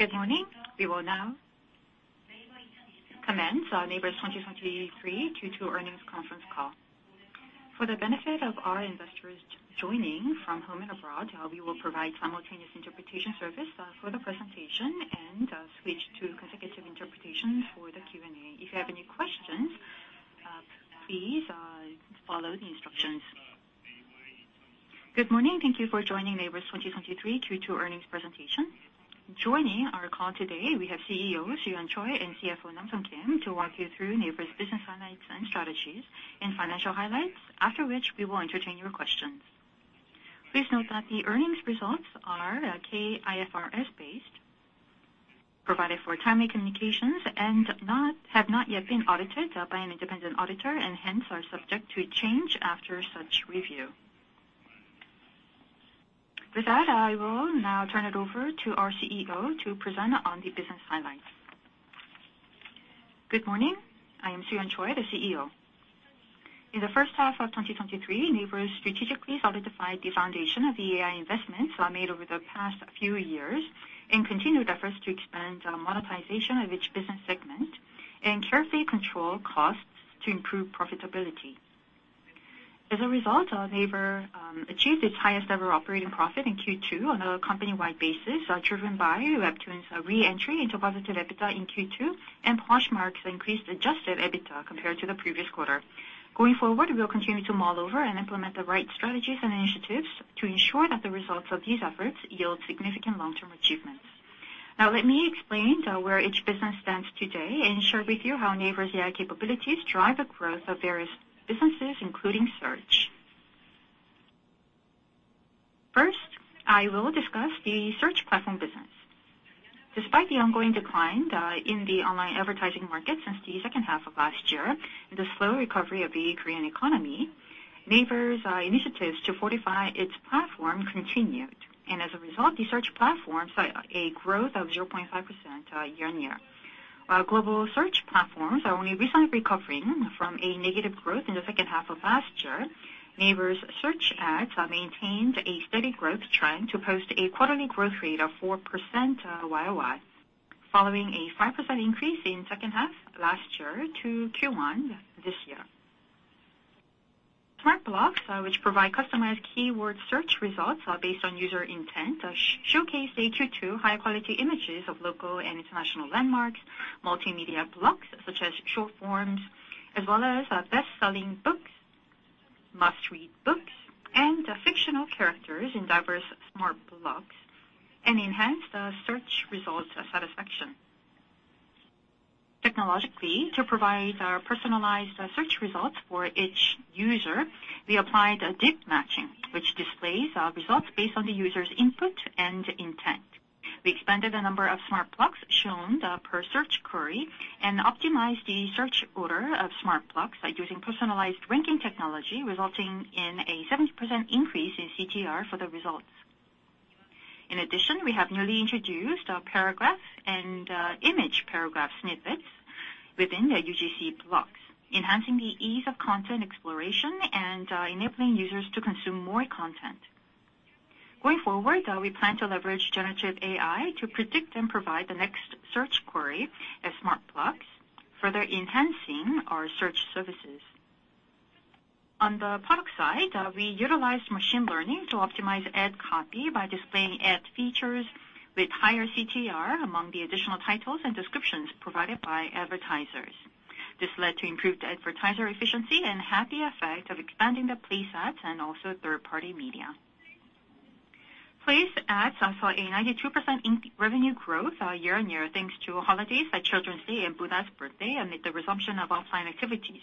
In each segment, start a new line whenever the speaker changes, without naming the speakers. Good morning. We will now commence NAVER's 2023 Q2 earnings conference call. For the benefit of our investors joining from home and abroad, we will provide simultaneous interpretation service for the presentation and switch to consecutive interpretation for the Q&A. If you have any questions, please follow the instructions. Good morning. Thank you for joining NAVER's 2023 Q2 earnings presentation. Joining our call today, we have CEO, Soo-yeon Choi, and CFO, Nam-sun Kim, to walk you through NAVER's business highlights and strategies and financial highlights, after which we will entertain your questions. Please note that the earnings results are KIFRS-based, provided for timely communications, and have not yet been audited by an independent auditor, and hence are subject to change after such review. With that, I will now turn it over to our CEO to present on the business highlights.
Good morning, I am Soo-yeon Choi, the CEO. In the first half of 2023, NAVER strategically solidified the foundation of the AI investments made over the past few years and continued efforts to expand monetization of each business segment and carefully control costs to improve profitability. As a result, NAVER achieved its highest ever Operating profit in Q2 on a company-wide basis, driven by WEBTOON's re-entry into positive EBITDA in Q2 and Poshmark's increased adjusted EBITDA compared to the previous quarter. Going forward, we will continue to mull over and implement the right strategies and initiatives to ensure that the results of these efforts yield significant long-term achievements. Now let me explain where each business stands today and share with you how NAVER's AI capabilities drive the growth of various businesses, including search. First, I will discuss the search platform business. Despite the ongoing decline in the online advertising market since the second half of last year and the slow recovery of the Korean economy, NAVER's initiatives to fortify its platform continued, and as a result, the search platform saw a growth of 0.5% year-on-year. Our global search platforms are only recently recovering from a negative growth in the second half of last year. NAVER's search ads maintained a steady growth trend to post a quarterly growth rate of 4% YOY, following a 5% increase in second half last year to Q1 this year. Smart Blocks, which provide customized keyword search results, are based on user intent, showcase A22 high-quality images of local and international landmarks, multimedia blocks, such as short forms, as well as best-selling books, must-read books, and fictional characters in diverse Smart Blocks, and enhance the search results satisfaction. Technologically, to provide personalized search results for each user, we applied a deep matching, which displays results based on the user's input and intent. We expanded the number of Smart Blocks shown per search query and optimized the search order of Smart Blocks by using personalized ranking technology, resulting in a 70% increase in CTR for the results. In addition, we have newly introduced paragraph and image paragraph snippets within the UGC blocks, enhancing the ease of content exploration and enabling users to consume more content. Going forward, we plan to leverage generative AI to predict and provide the next search query as Smart Block, further enhancing our search services. On the product side, we utilized machine learning to optimize ad copy by displaying ad features with higher CTR among the additional titles and descriptions provided by advertisers. This led to improved advertiser efficiency and had the effect of expanding the Place Ads and also third-party media. Place Ads saw a 92% in-revenue growth, year-on-year, thanks to holidays like Children's Day and Buddha's Birthday, amid the resumption of offline activities,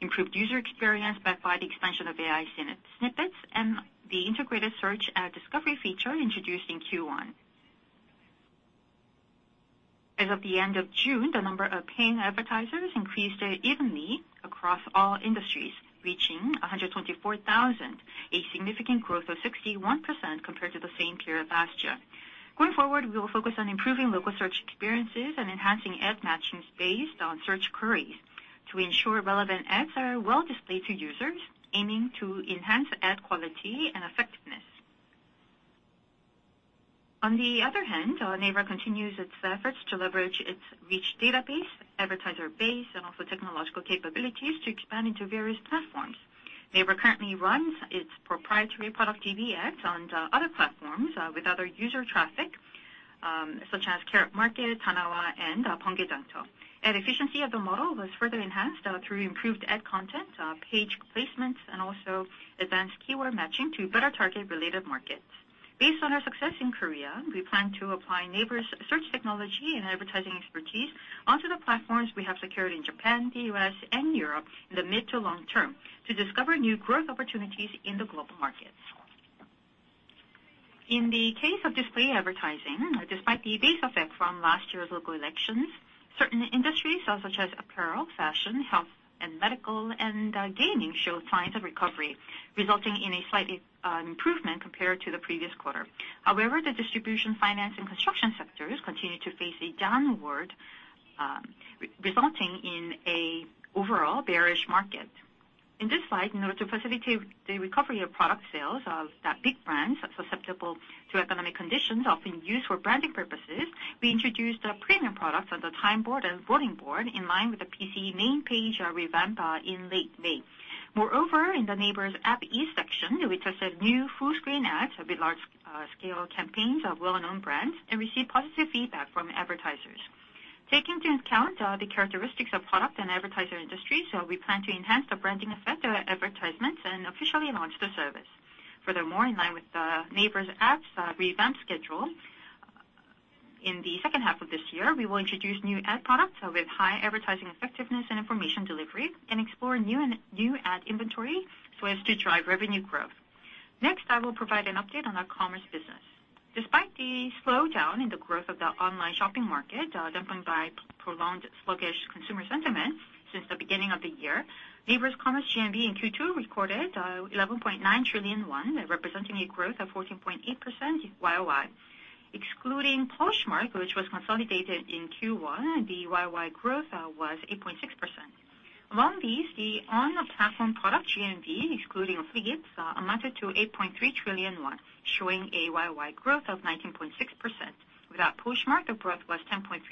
improved user experience backed by the expansion of AI snippets, and the integrated search discovery feature introduced in Q1. As of the end of June, the number of paying advertisers increased evenly across all industries, reaching 124,000, a significant growth of 61% compared to the same period last year. Going forward, we will focus on improving local search experiences and enhancing ad matching based on search queries to ensure relevant ads are well displayed to users, aiming to enhance ad quality and effectiveness. On the other hand, NAVER continues its efforts to leverage its rich database, advertiser base, and also technological capabilities to expand into various platforms. NAVER currently runs its proprietary product, DBX, on the other platforms, with other user traffic, such as Karrot Market, Danawa, and Banggood. Ad efficiency of the model was further enhanced through improved ad content, page placements, and also advanced keyword matching to better target related markets. Based on our success in Korea, we plan to apply NAVER's search technology and advertising expertise onto the platforms we have secured in Japan, the US, and Europe in the mid to long term, to discover new growth opportunities in the global markets. In the case of display advertising, despite the base effect from last year's local elections, certain industries, such as apparel, fashion, health and medical, and gaming, showed signs of recovery, resulting in a slight improvement compared to the previous quarter. However, the distribution, finance and construction sectors continue to face a downward, resulting in an overall bearish market. In this slide, in order to facilitate the recovery of product sales of the big brands susceptible to economic conditions, often used for branding purposes, we introduced a premium product on the Time Board and Voting Board in line with the PC main page revamp in late May. Moreover, in the NAVER's app E section, we tested new full screen ads with large scale campaigns of well-known brands and received positive feedback from advertisers. Taking into account the characteristics of product and advertiser industries, we plan to enhance the branding effect of advertisements and officially launch the service. Furthermore, in line with the NAVER's apps revamp schedule, in the second half of this year, we will introduce new ad products with high advertising effectiveness and information delivery, and explore new and new ad inventory so as to drive revenue growth. Next, I will provide an update on our commerce business. Despite the slowdown in the growth of the online shopping market, dampened by prolonged sluggish consumer sentiment since the beginning of the year, NAVER's Commerce GMV in Q2 recorded 11.9 trillion won, representing a growth of 14.8% YoY. Excluding Poshmark, which was consolidated in Q1, the YoY growth was 8.6%. Among these, the on the platform product GMV, excluding affiliates, amounted to 8.3 trillion won, showing a YoY growth of 19.6%. Without Poshmark, the growth was 10.3%.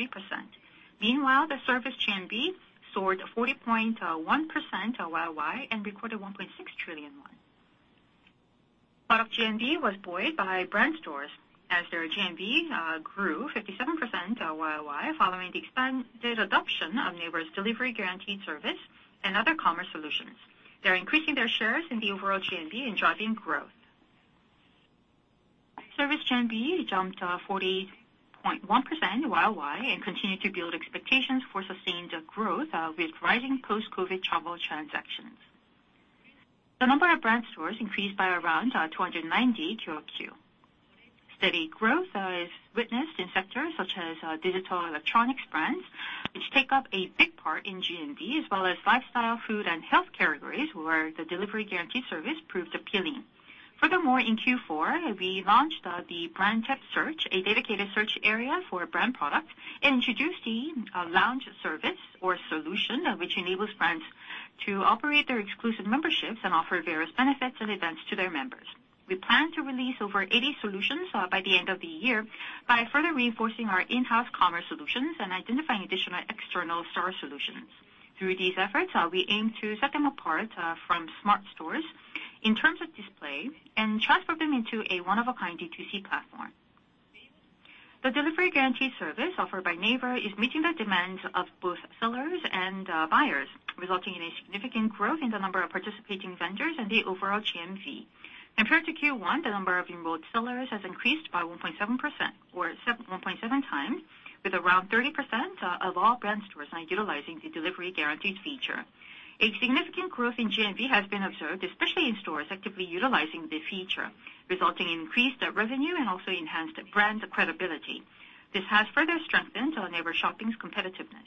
Meanwhile, the service GMV soared 40.1% YoY, recorded KRW 1.6 trillion. Product GMV was buoyed by Brand Stores as their GMV grew 57% YoY, following the expanded adoption of Neighbors delivery guaranteed service and other commerce solutions. They are increasing their shares in the overall GMV and driving growth. Service GMV jumped 40.1% YoY, continued to build expectations for sustained growth with rising post-COVID travel transactions. The number of Brand Stores increased by around 290 QoQ. Steady growth is witnessed in sectors such as digital electronics brands, which take up a big part in GMV, as well as lifestyle, food, and health categories, where the delivery guarantee service proved appealing. Furthermore, in Q4, we launched the Brand Tech Search, a dedicated search area for brand products, and introduced the Lounge service or solution, which enables brands to operate their exclusive memberships and offer various benefits and events to their members. We plan to release over 80 solutions by the end of the year by further reinforcing our in-house commerce solutions and identifying additional external store solutions. Through these efforts, we aim to set them apart from Smart Stores in terms of display and transform them into a one-of-a-kind D2C platform. The delivery guarantee service offered by NAVER is meeting the demands of both sellers and buyers, resulting in a significant growth in the number of participating vendors and the overall GMV. Compared to Q1, the number of enrolled sellers has increased by 1.7% or 1.7x, with around 30% of all Brand Store now utilizing the delivery guaranteed feature. A significant growth in GMV has been observed, especially in stores actively utilizing the feature, resulting in increased revenue and also enhanced brand credibility. This has further strengthened our NAVER Shopping's competitiveness.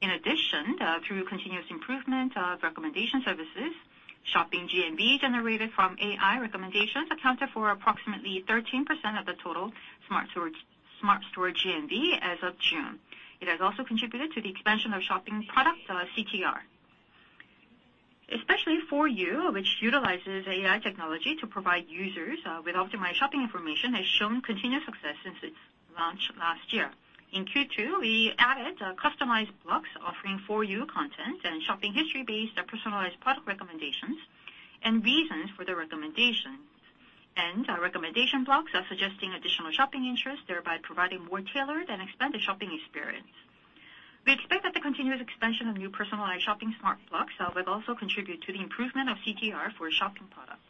In addition, through continuous improvement of recommendation services, shopping GMV generated from AI recommendations accounted for approximately 13% of the total Smart Store GMV as of June. It has also contributed to the expansion of shopping products, CTR. Especially 4U, which utilizes AI technology to provide users with optimized shopping information, has shown continuous success since its launch last year. In Q2, we added customized blocks offering 4U content and shopping history-based personalized product recommendations and reasons for the recommendation. Recommendation blocks are suggesting additional shopping interest, thereby providing more tailored and expanded shopping experience. We expect that the continuous expansion of new personalized shopping smart blocks will also contribute to the improvement of CTR for shopping products.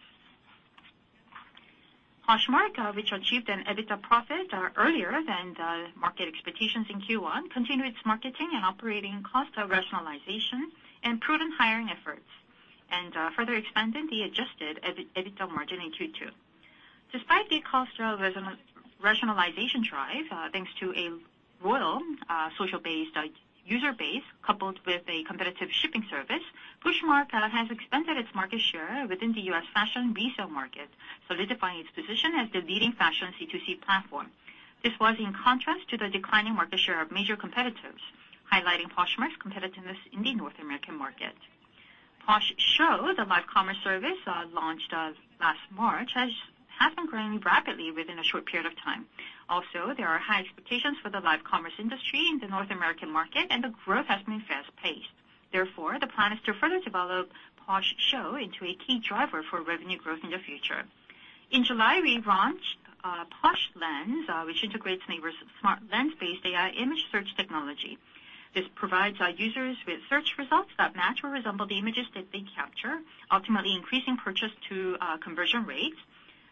Poshmark, which achieved an EBITDA profit earlier than the market expectations in Q1, continued its marketing and operating cost rationalization and prudent hiring efforts, and further expanded the adjusted EBITDA margin in Q2. Despite the cost rationalization drive, thanks to a loyal social base, user base, coupled with a competitive shipping service, Poshmark has expanded its market share within the US fashion resale market, solidifying its position as the leading fashion C2C platform. This was in contrast to the declining market share of major competitors, highlighting Poshmark's competitiveness in the North American market. Posh Show, the live commerce service, launched last March, hasn't grown rapidly within a short period of time. There are high expectations for the live commerce industry in the North American market, and the growth has been fast-paced. Therefore, the plan is to further develop Posh Show into a key driver for revenue growth in the future. In July, we launched Posh Lens, which integrates NAVER's Smart Lens-based AI image search technology. This provides our users with search results that match or resemble the images that they capture, ultimately increasing purchase to conversion rates.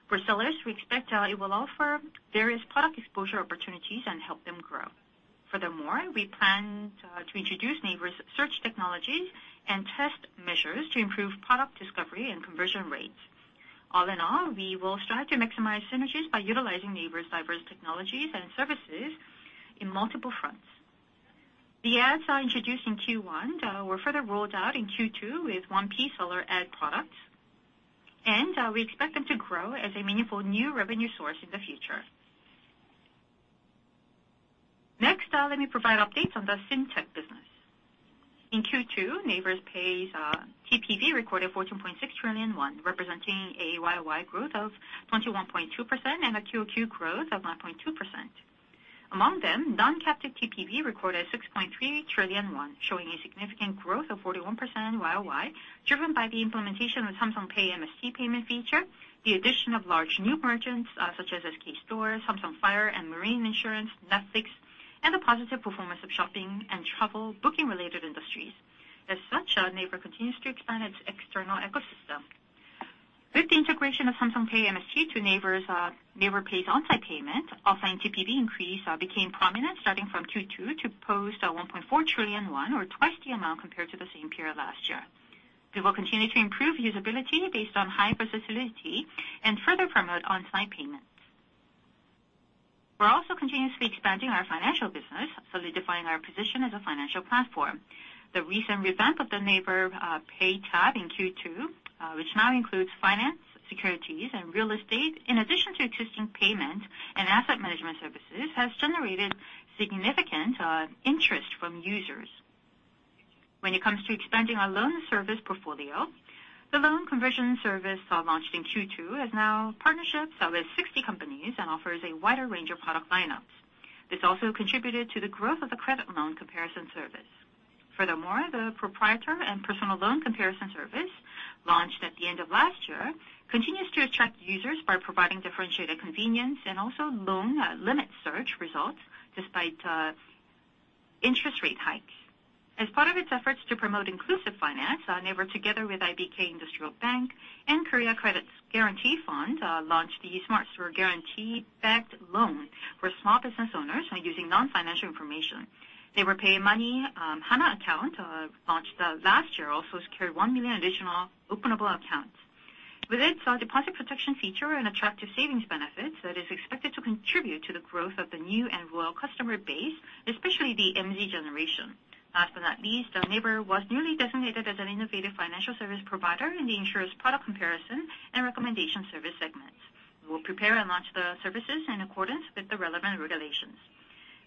For sellers, we expect it will offer various product exposure opportunities and help them grow. Furthermore, we plan to introduce Neighbors search technologies and test measures to improve product discovery and conversion rates. All in all, we will strive to maximize synergies by utilizing Neighbors diverse technologies and services in multiple fronts. The ads introduced in Q1 were further rolled out in Q2 with 1P seller ad products, and we expect them to grow as a meaningful new revenue source in the future. Next, let me provide updates on the fintech business. In Q2, NAVER Pay TPV recorded 14.6 trillion won, representing a YoY growth of 21.2% and a QoQ growth of 1.2%. Among them, non-captive TPV recorded 6.3 trillion won, showing a significant growth of 41% YOY, driven by the implementation of Samsung Pay MST payment feature, the addition of large new merchants, such as SK Stoa, Samsung Fire & Marine Insurance, Netflix, and the positive performance of shopping and travel booking-related industries. As such, NAVER continues to expand its external ecosystem. With the integration of Samsung Pay MST to NAVER's NAVER Pay's on-site payment, offline TPV increase became prominent starting from Q2 to post 1.4 trillion won, or twice the amount compared to the same period last year. We will continue to improve usability based on high persistility and further promote on-site payments. We're also continuously expanding our financial business, solidifying our position as a financial platform. The recent revamp of the NAVER Pay tab in Q2, which now includes finance, securities, and real estate, in addition to existing payment and asset management services, has generated significant interest from users. When it comes to expanding our loan service portfolio, the loan conversion service, launched in Q2, has now partnerships with 60 companies and offers a wider range of product lineups. This also contributed to the growth of the credit loan comparison service. Furthermore, the proprietor and personal loan comparison service, launched at the end of last year, continues to attract users by providing differentiated convenience and also loan limit search results despite interest rate hikes. As part of its efforts to promote inclusive finance, NAVER, together with Industrial Bank of Korea and Korea Credit Guarantee Fund, launched the Smart Store Guarantee-Backed Loan for small business owners using non-financial information. NAVER Pay Money, Hana account, launched last year, also secured 1 million additional openable accounts. With its deposit protection feature and attractive savings benefits, that is expected to contribute to the growth of the new and loyal customer base, especially the MZ generation. Last but not least, NAVER was newly designated as an innovative financial service provider in the insurer's product comparison and recommendation service segments. We will prepare and launch the services in accordance with the relevant regulations.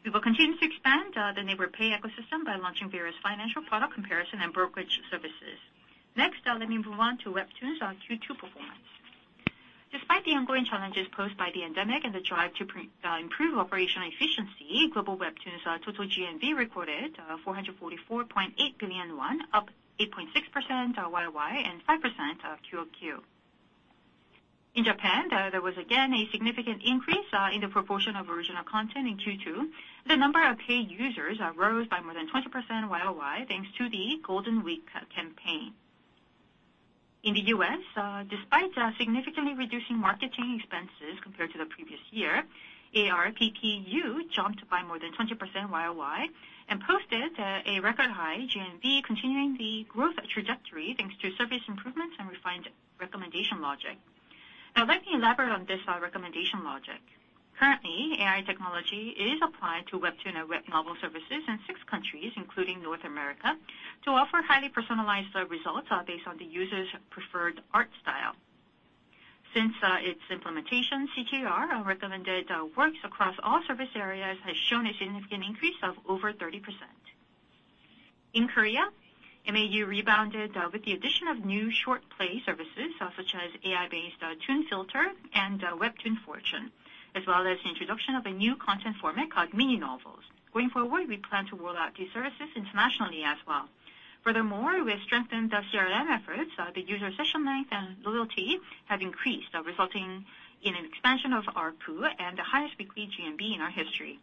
We will continue to expand the NAVER Pay ecosystem by launching various financial product comparison and brokerage services. Next, let me move on to WEBTOON's Q2 performance. Despite the ongoing challenges posed by the pandemic and the drive to improve operational efficiency, Global Webtoons total GMV recorded 444.8 billion won, up 8.6% YoY and 5% QoQ. In Japan, there was again a significant increase in the proportion of original content in Q2. The number of paid users rose by more than 20% YoY, thanks to the Golden Week campaign. In the U.S., despite significantly reducing marketing expenses compared to the previous year, ARPPU jumped by more than 20% YoY and posted a record high GMV, continuing the growth trajectory, thanks to service improvements and refined recommendation logic. Let me elaborate on this recommendation logic. Currently, AI technology is applied to WEBTOON and web novel services in 6 countries, including North America, to offer highly personalized results based on the user's preferred art style. Since its implementation, CTR recommended works across all service areas, has shown a significant increase of over 30%. In Korea, MAU rebounded with the addition of new short play services, such as AI-based Toon Filter and Webtoon Fortune, as well as the introduction of a new content format called Mini Novels. Going forward, we plan to roll out these services internationally as well. Furthermore, we have strengthened the CRM efforts. The user session length and loyalty have increased, resulting in an expansion of ARPU and the highest weekly GMV in our history.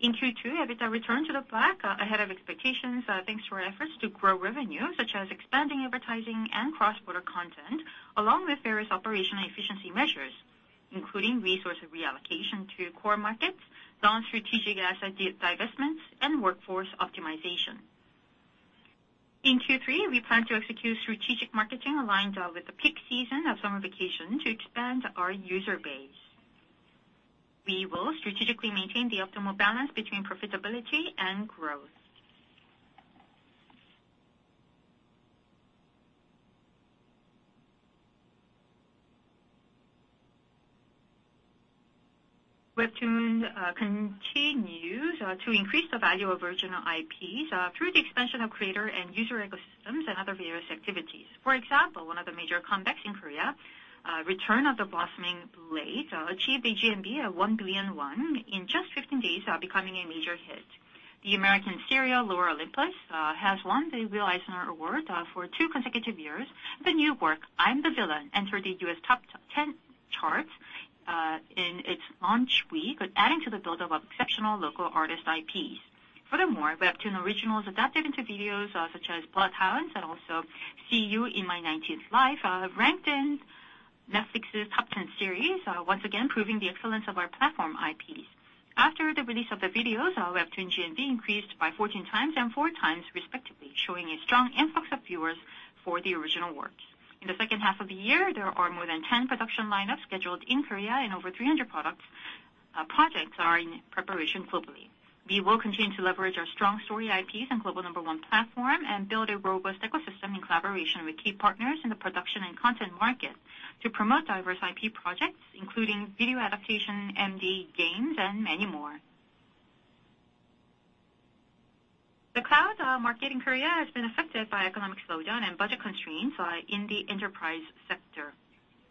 In Q2, EBITDA returned to the black, ahead of expectations, thanks to our efforts to grow revenue, such as expanding advertising and cross-border content, along with various operational efficiency measures, including resource reallocation to core markets, non-strategic asset divestments, and workforce optimization. In Q3, we plan to execute strategic marketing aligned with the peak season of summer vacation to expand our user base. We will strategically maintain the optimal balance between profitability and growth. Webtoon continues to increase the value of original IPs through the expansion of creator and user ecosystems and other various activities. For example, one of the major comebacks in Korea, Return of the Blossoming Blade, achieved a GMV of 1 billion won in just 15 days, becoming a major hit. The American serial, Lore Olympus, has won the Will Eisner Award for two consecutive years. The new work, I'm the Villain, entered the U.S. Top 10 charts in its launch week, adding to the build-up of exceptional local artist IPs. WEBTOON originals adapted into videos, such as Bloodhounds and also See You in My Nineteenth Life, ranked in Netflix's Top 10 series, once again proving the excellence of our platform IPs. After the release of the videos, our WEBTOON GMV increased by 14x and 4x, respectively, showing a strong influx of viewers for the original works. In the second half of the year, there are more than 10 production lineups scheduled in Korea, and over 300 products, projects are in preparation globally. We will continue to leverage our strong story IPs and global number one platform, and build a robust ecosystem in collaboration with key partners in the production and content market.... to promote diverse IP projects, including video adaptation, MD games, and many more. The cloud market in Korea has been affected by economic slowdown and budget constraints in the enterprise sector.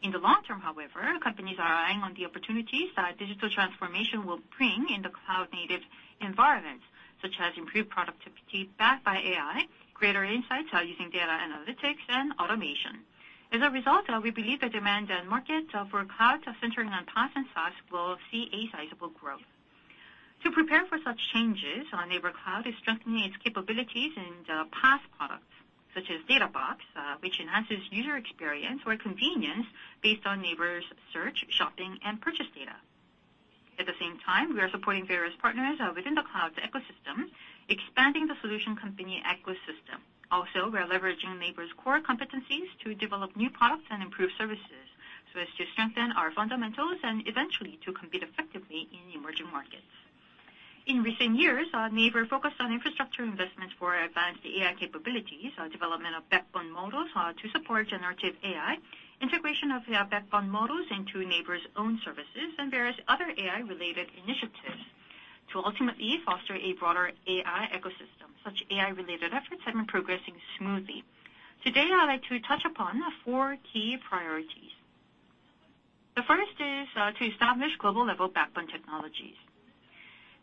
In the long term, however, companies are eyeing on the opportunities that digital transformation will bring in the cloud-native environment, such as improved productivity backed by AI, greater insights using data analytics and automation. As a result, we believe the demand and market for cloud centering on PaaS and SaaS will see a sizable growth. To prepare for such changes, our NAVER Cloud is strengthening its capabilities in the PaaS products, such as Data Box, which enhances user experience or convenience based on NAVER's search, shopping, and purchase data. At the same time, we are supporting various partners within the cloud ecosystem, expanding the solution company ecosystem. Also, we are leveraging NAVER's core competencies to develop new products and improve services so as to strengthen our fundamentals and eventually to compete effectively in emerging markets. In recent years, NAVER focused on infrastructure investments for advanced AI capabilities, development of backbone models, to support generative AI, integration of backbone models into NAVER's own services, and various other AI-related initiatives to ultimately foster a broader AI ecosystem. Such AI-related efforts have been progressing smoothly. Today, I'd like to touch upon four key priorities. The first is to establish global-level backbone technologies.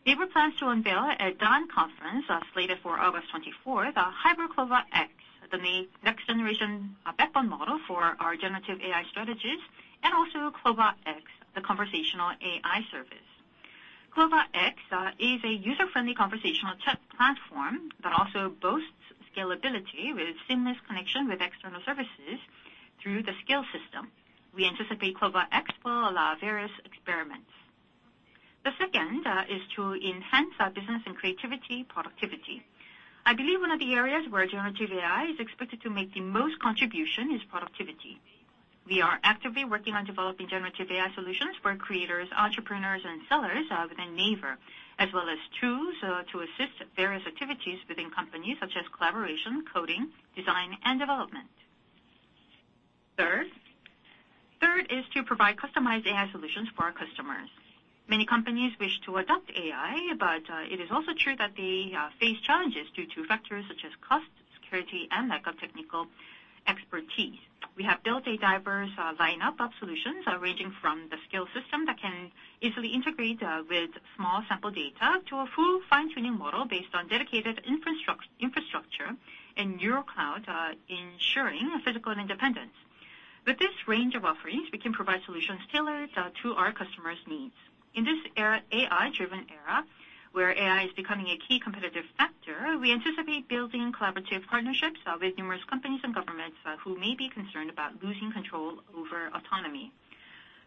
NAVER plans to unveil at DAN 23 conference, slated for August 24th, HyperCLOVA X, the next generation backbone model for our generative AI strategies, and also CLOVA X, the conversational AI service. CLOVA X is a user-friendly conversational chat platform that also boasts scalability with seamless connection with external services through the skill system. We anticipate CLOVA X will allow various experiments. The second is to enhance our business and creativity productivity. I believe one of the areas where generative AI is expected to make the most contribution is productivity. We are actively working on developing generative AI solutions for creators, entrepreneurs, and sellers within NAVER, as well as tools to assist various activities within companies such as collaboration, coding, design, and development. Third, third is to provide customized AI solutions for our customers. Many companies wish to adopt AI, but it is also true that they face challenges due to factors such as cost, security, and lack of technical expertise. We have built a diverse lineup of solutions, ranging from the skill system that can easily integrate with small sample data to a full fine-tuning model based on dedicated infrastructure and neural cloud, ensuring physical independence. With this range of offerings, we can provide solutions tailored to our customers' needs. In this era, AI-driven era, where AI is becoming a key competitive factor, we anticipate building collaborative partnerships with numerous companies and governments who may be concerned about losing control over autonomy.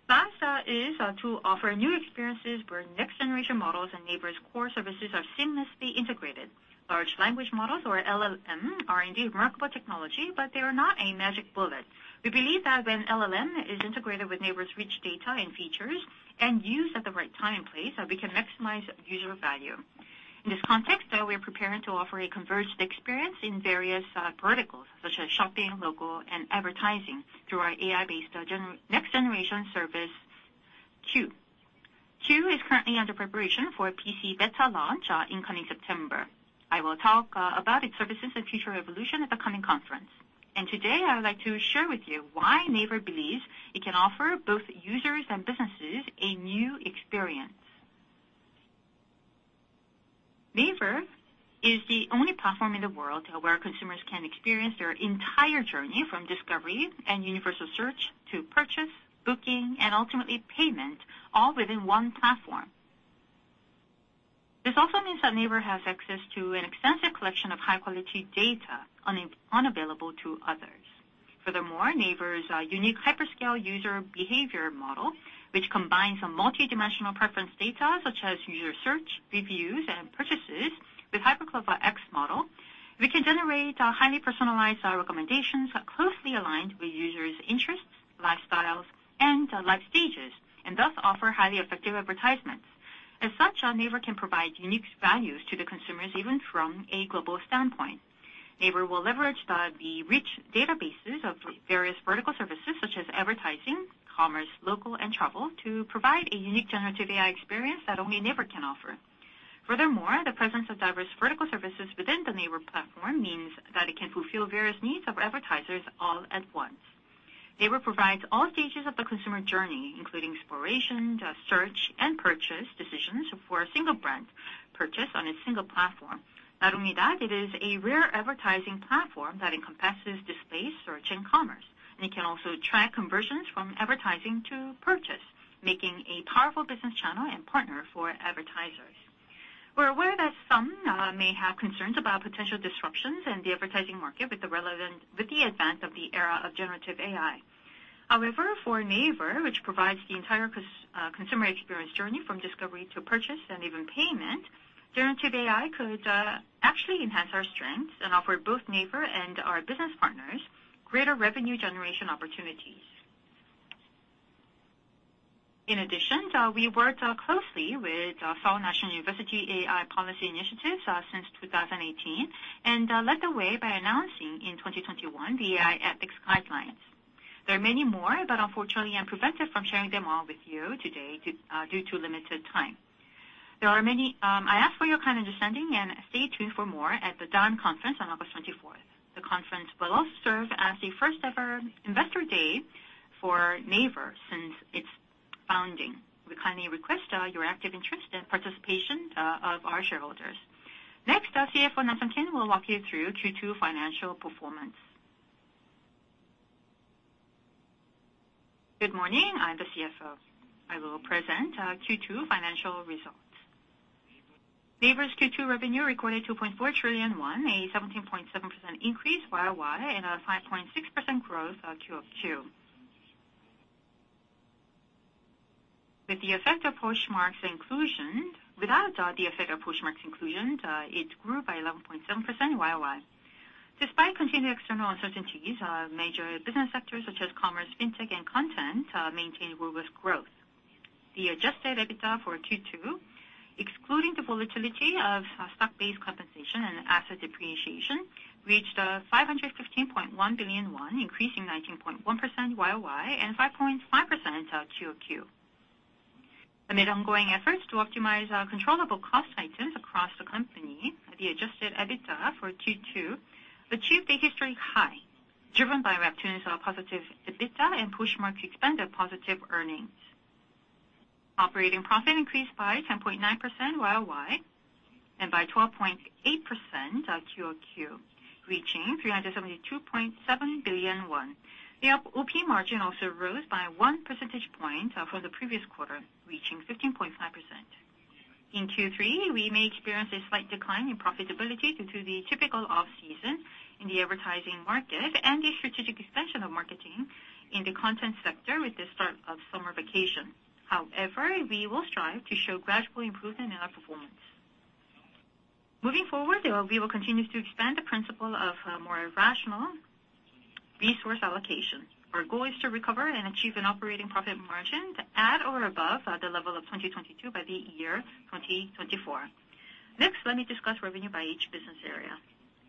Last is to offer new experiences where next-generation models and NAVER's core services are seamlessly integrated. Large language models, or LLM, are indeed remarkable technology, but they are not a magic bullet. We believe that when LLM is integrated with NAVER's rich data and features and used at the right time and place, we can maximize user value. In this context, we are preparing to offer a converged experience in various verticals, such as shopping, local, and advertising, through our AI-based next generation service, CUE:. CUE: is currently under preparation for a PC beta launch in coming September. I will talk about its services and future evolution at the coming conference. Today, I would like to share with you why NAVER believes it can offer both users and businesses a new experience. NAVER is the only platform in the world where consumers can experience their entire journey from discovery and universal search to purchase, booking, and ultimately payment, all within one platform. This also means that NAVER has access to an extensive collection of high-quality data unavailable to others. Furthermore, NAVER's unique hyperscale user behavior model, which combines a multidimensional preference data such as user search, reviews, and purchases with HyperCLOVA X model, we can generate highly personalized recommendations that are closely aligned with users' interests, lifestyles, and life stages, and thus offer highly effective advertisements. As such, NAVER can provide unique values to the consumers, even from a global standpoint. NAVER will leverage the rich databases of various vertical services such as advertising, commerce, local, and travel, to provide a unique generative AI experience that only NAVER can offer. Furthermore, the presence of diverse vertical services within the NAVER platform means that it can fulfill various needs of advertisers all at once. NAVER provides all stages of the consumer journey, including exploration, search, and purchase decisions for a single brand purchase on a single platform. Not only that, it is a rare advertising platform that encompasses display, search, and commerce, and it can also track conversions from advertising to purchase, making a powerful business channel and partner for advertisers. We're aware that some may have concerns about potential disruptions in the advertising market with the advent of the era of generative AI. However, for NAVER, which provides the entire consumer experience journey from discovery to purchase and even payment, generative AI could actually enhance our strengths and offer both NAVER and our business partners greater revenue generation opportunities. In addition, we worked closely with Seoul National University AI policy initiatives since 2018, and led the way by announcing in 2021 the AI ethics guidelines. There are many more, but unfortunately, I'm prevented from sharing them all with you today due to limited time. There are many, I ask for your kind understanding, and stay tuned for more at the DAN conference on August 24th. The conference will also serve as the first ever investor day for NAVER since its founding. We kindly request your active interest and participation of our shareholders. Next, our CFO, Nam-sun Kim, will walk you through Q2 financial performance.
Good morning. I'm the CFO. I will present Q2 financial results. NAVER's Q2 revenue recorded 2.4 trillion won, a 17.7% increase YoY and a 5.6% growth QoQ. With the effect of Poshmark's inclusion-- Without the effect of Poshmark's inclusion, it grew by 11.7% YoY. Despite continued external uncertainties, our major business sectors, such as commerce, fintech, and content, maintained robust growth. The adjusted EBITDA for Q2, excluding the volatility of stock-based compensation and asset depreciation, reached 515.1 billion won, increasing 19.1% YoY and 5.5% QOQ. Amid ongoing efforts to optimize our controllable cost items across the company, the adjusted EBITDA for Q2 achieved a historic high, driven by Webtoon's positive EBITDA and Poshmark's expanded positive earnings. Operating profit increased by 10.9% YoY and by 12.8% QoQ, reaching 372.7 billion won. The OP margin also rose by 1 percentage point from the previous quarter, reaching 15.5%. In Q3, we may experience a slight decline in profitability due to the typical off-season in the advertising market and the strategic expansion of marketing in the content sector with the start of summer vacation. We will strive to show gradual improvement in our performance. Moving forward, we will continue to expand the principle of more rational resource allocation. Our goal is to recover and achieve an operating profit margin to at or above the level of 2022 by the year 2024. Next, let me discuss revenue by each business area.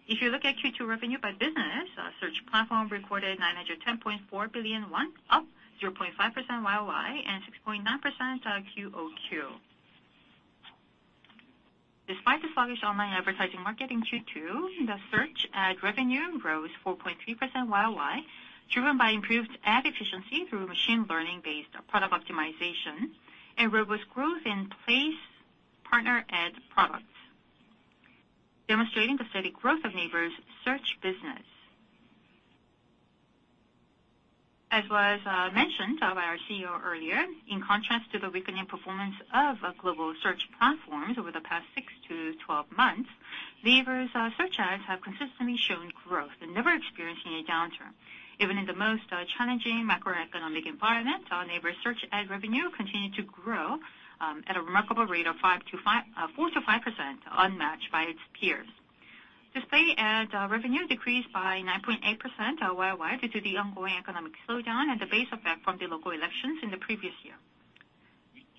If you look at Q2 revenue by business, search platform recorded 910.4 billion won, up 0.5% YoY and 6.9% QoQ. Despite the sluggish online advertising market in Q2, the search ad revenue grows 4.3% YoY, driven by improved ad efficiency through machine learning-based product optimization and robust growth in place partner ad products, demonstrating the steady growth of NAVER's search business. As was mentioned by our CEO earlier, in contrast to the weakening performance of global search platforms over the past 6-12 months, NAVER's search ads have consistently shown growth and never experiencing a downturn. Even in the most challenging macroeconomic environment, NAVER search ad revenue continued to grow at a remarkable rate of 4%-5%, unmatched by its peers. Display ad revenue decreased by 9.8% YoY, due to the ongoing economic slowdown and the base effect from the local elections in the previous year.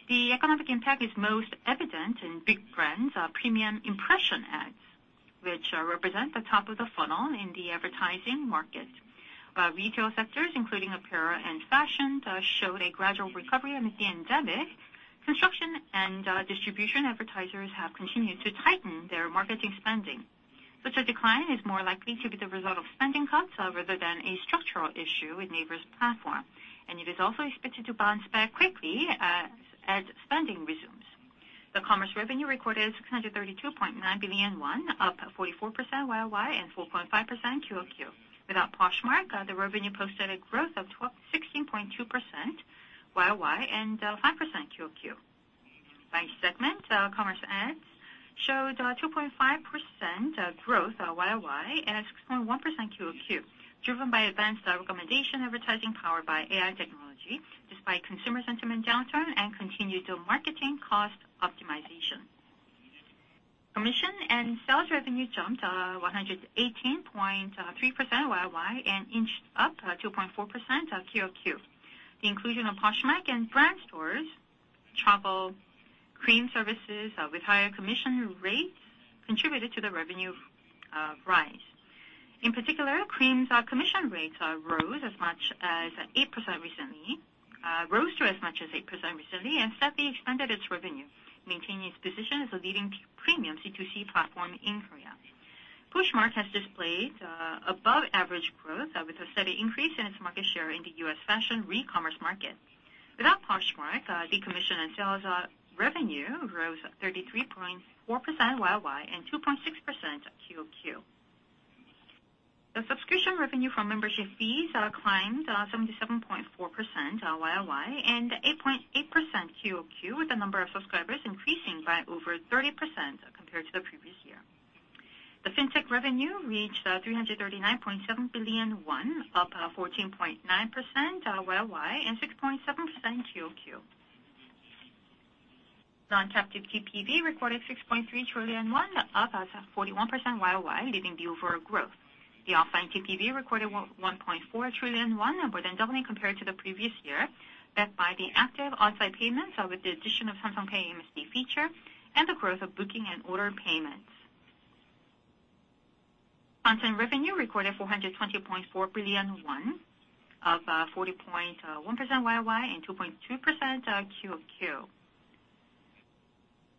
The economic impact is most evident in big brands, premium impression ads, which represent the top of the funnel in the advertising market. While retail sectors, including apparel and fashion, showed a gradual recovery amid the pandemic, construction and distribution advertisers have continued to tighten their marketing spending. Such a decline is more likely to be the result of spending cuts rather than a structural issue with NAVER's platform, and it is also expected to bounce back quickly as spending resumes. The commerce revenue recorded 632.9 billion won, up 44% YoY and 4.5% QoQ. Without Poshmark, the revenue posted a growth of 16.2% YoY and 5% QoQ. By segment, commerce ads showed 2.5% growth YoY and 6.1% QoQ, driven by advanced recommendation advertising powered by AI technology, despite consumer sentiment downturn and continued marketing cost optimization. Commission and sales revenue jumped 118.3% YoY and inched up 2.4% QoQ. The inclusion of Poshmark and Brand Stores, travel, KREAM services, with higher commission rates contributed to the revenue rise. In particular, KREAM's commission rates rose as much as 8% recently, rose to as much as 8% recently and steadily expanded its revenue, maintaining its position as a leading premium C2C platform in Korea. Poshmark has displayed above average growth with a steady increase in its market share in the U.S. fashion re-commerce market. Without Poshmark, the commission and sales revenue rose 33.4% YoY and 2.6% QoQ. The subscription revenue from membership fees climbed 77.4% YoY and 8.8% QoQ, with the number of subscribers increasing by over 30% compared to the previous year. The Fintech revenue reached 339.7 billion won, up 14.9% YoY and 6.7% QoQ. Non-captive TPV recorded 6.3 trillion won, up 41% YoY, leading the overall growth. The offline TPV recorded 1.4 trillion won, more than doubling compared to the previous year, backed by the active offsite payments, with the addition of Samsung Pay MST feature and the growth of booking and order payments. Content revenue recorded 420.4 billion won, up 40.1% YoY and 2.2% QoQ.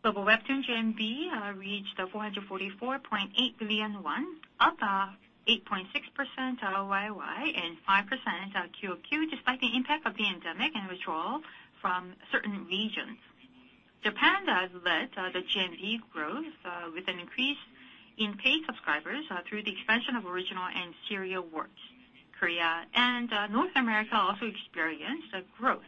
Global WEBTOON GMV reached 444.8 billion won, up 8.6% YoY, and 5% QoQ, despite the impact of the pandemic and withdrawal from certain regions. Japan has led the GMV growth with an increase in paid subscribers through the expansion of original and serial works. Korea, North America also experienced a growth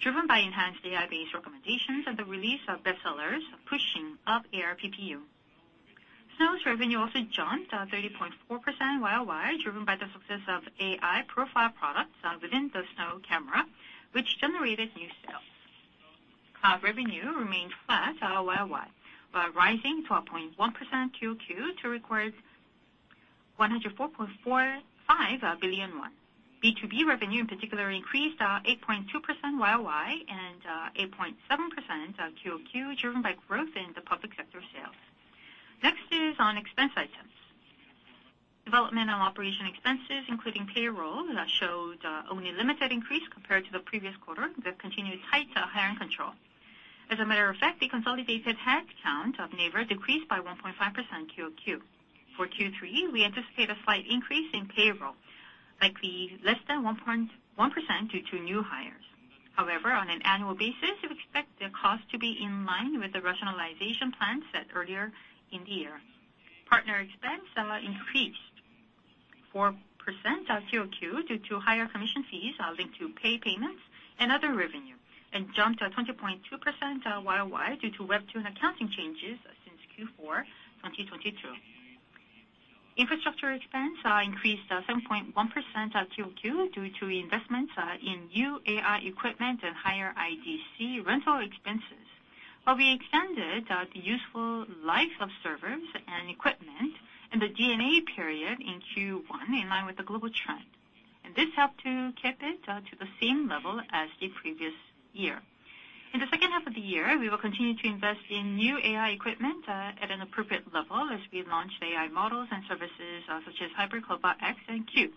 driven by enhanced AI-based recommendations and the release of bestsellers, pushing up ARPPU. SNOW's revenue also jumped 30.4% YoY, driven by the success of AI profile products within the SNOW camera, which generated new sales. Cloud revenue remained flat YOY, while rising 4.1% QOQ to record 104.45 billion won. B2B revenue in particular, increased 8.2% YoY and 8.7% QoQ, driven by growth in the public sector sales. Next is on expense items. Development and operation expenses, including payroll, that showed only limited increase compared to the previous quarter, with continued tight hiring control. As a matter of fact, the consolidated headcount of NAVER decreased by 1.5% QoQ. For Q3, we anticipate a slight increase in payroll, likely less than 1.1% due to new hires. However, on an annual basis, we expect the cost to be in line with the rationalization plans set earlier in the year. Partner expense increased 4% QoQ, due to higher commission fees linked to pay payments and other revenue, and jumped to 20.2% YoY, due to Webtoon accounting changes since Q4 2022. Infrastructure expense increased 7.1% QoQ, due to investments in new AI equipment and higher IDC rental expenses. While we extended the useful life of servers and equipment in the DNA period in Q1, in line with the global trend, and this helped to keep it to the same level as the previous year. In the second half of the year, we will continue to invest in new AI equipment, at an appropriate level as we launch AI models and services, such as HyperCLOVA X and CUE:.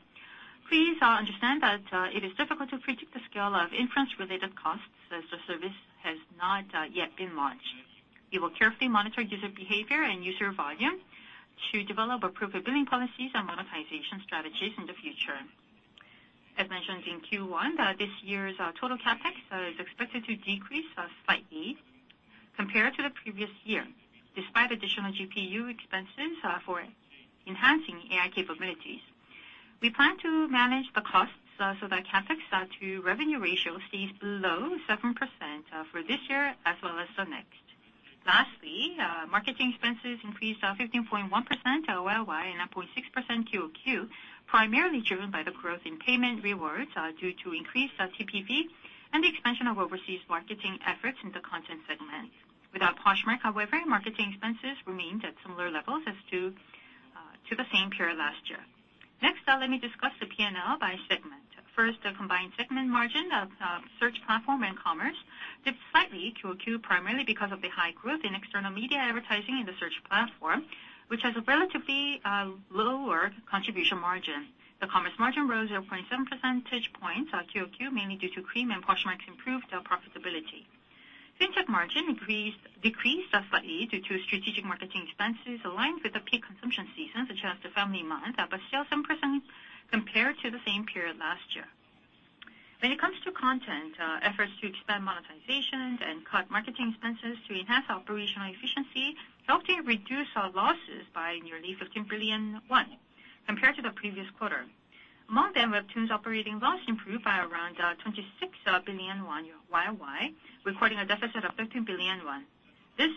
Please understand that it is difficult to predict the scale of inference-related costs, as the service has not yet been launched. We will carefully monitor user behavior and user volume to develop appropriate billing policies and monetization strategies in the future. As mentioned in Q1, this year's total CapEx is expected to decrease slightly compared to the previous year, despite additional GPU expenses for enhancing AI capabilities. We plan to manage the costs so that CapEx to revenue ratio stays below 7% for this year as well as the next. Lastly, marketing expenses increased 15.1% YOY, and 9.6% QoQ, primarily driven by the growth in payment rewards, due to increased TPV and the expansion of overseas marketing efforts in the content segment. Without Poshmark, however, marketing expenses remained at similar levels as to the same period last year. Next, let me discuss the P&L by segment. First, the combined segment margin of search platform and commerce dipped slightly QoQ, primarily because of the high growth in external media advertising in the search platform, which has a relatively lower contribution margin. The commerce margin rose 0.7 percentage points QoQ, mainly due to KREAM and Poshmark's improved profitability. Fintech margin decreased slightly due to strategic marketing expenses aligned with the peak consumption season, such as the family month, but still some percent compared to the same period last year. When it comes to content, efforts to expand monetization and cut marketing expenses to enhance operational efficiency helped to reduce our losses by nearly 15 billion won compared to the previous quarter. Among them, Webtoon's operating loss improved by around 26 billion won, YOY, recording a deficit of 13 billion won. This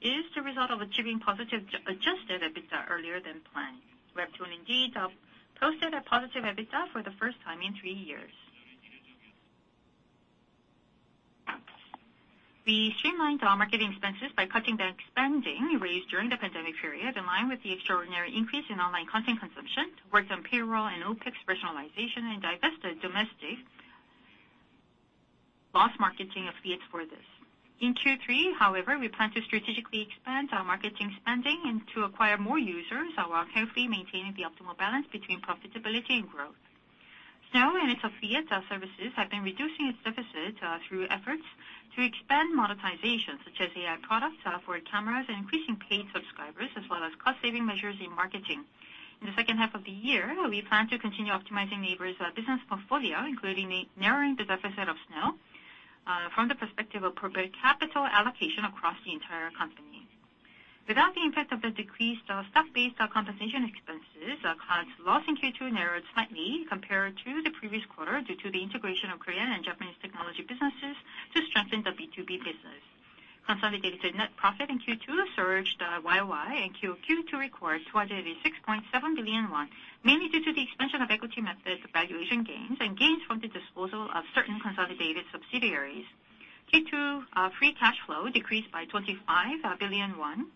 is the result of achieving positive adjusted EBITDA earlier than planned. Webtoon indeed posted a positive EBITDA for the first time in three years. We streamlined our marketing expenses by cutting the spending raised during the pandemic period, in line with the extraordinary increase in online content consumption, worked on payroll and OPEX rationalization, and divested domestic loss marketing affiliates for this. In Q3, however, we plan to strategically expand our marketing spending and to acquire more users, while carefully maintaining the optimal balance between profitability and growth. SNOW and its affiliate services have been reducing its deficit through efforts to expand monetization, such as AI products for cameras and increasing paid subscribers, as well as cost saving measures in marketing. In the second half of the year, we plan to continue optimizing NAVER's business portfolio, including narrowing the deficit of SNOW, from the perspective of appropriate capital allocation across the entire company. Without the impact of the decreased stock-based compensation expenses, Cloud's loss in Q2 narrowed slightly compared to the previous quarter, due to the integration of Korean and Japanese technology businesses to strengthen the B2B business. Consolidated net profit in Q2 surged YOY and QOQ to record 266.7 billion won, mainly due to the expansion of equity method, valuation gains and gains from the disposal of certain consolidated subsidiaries. Q2 free cash flow decreased by 25 billion won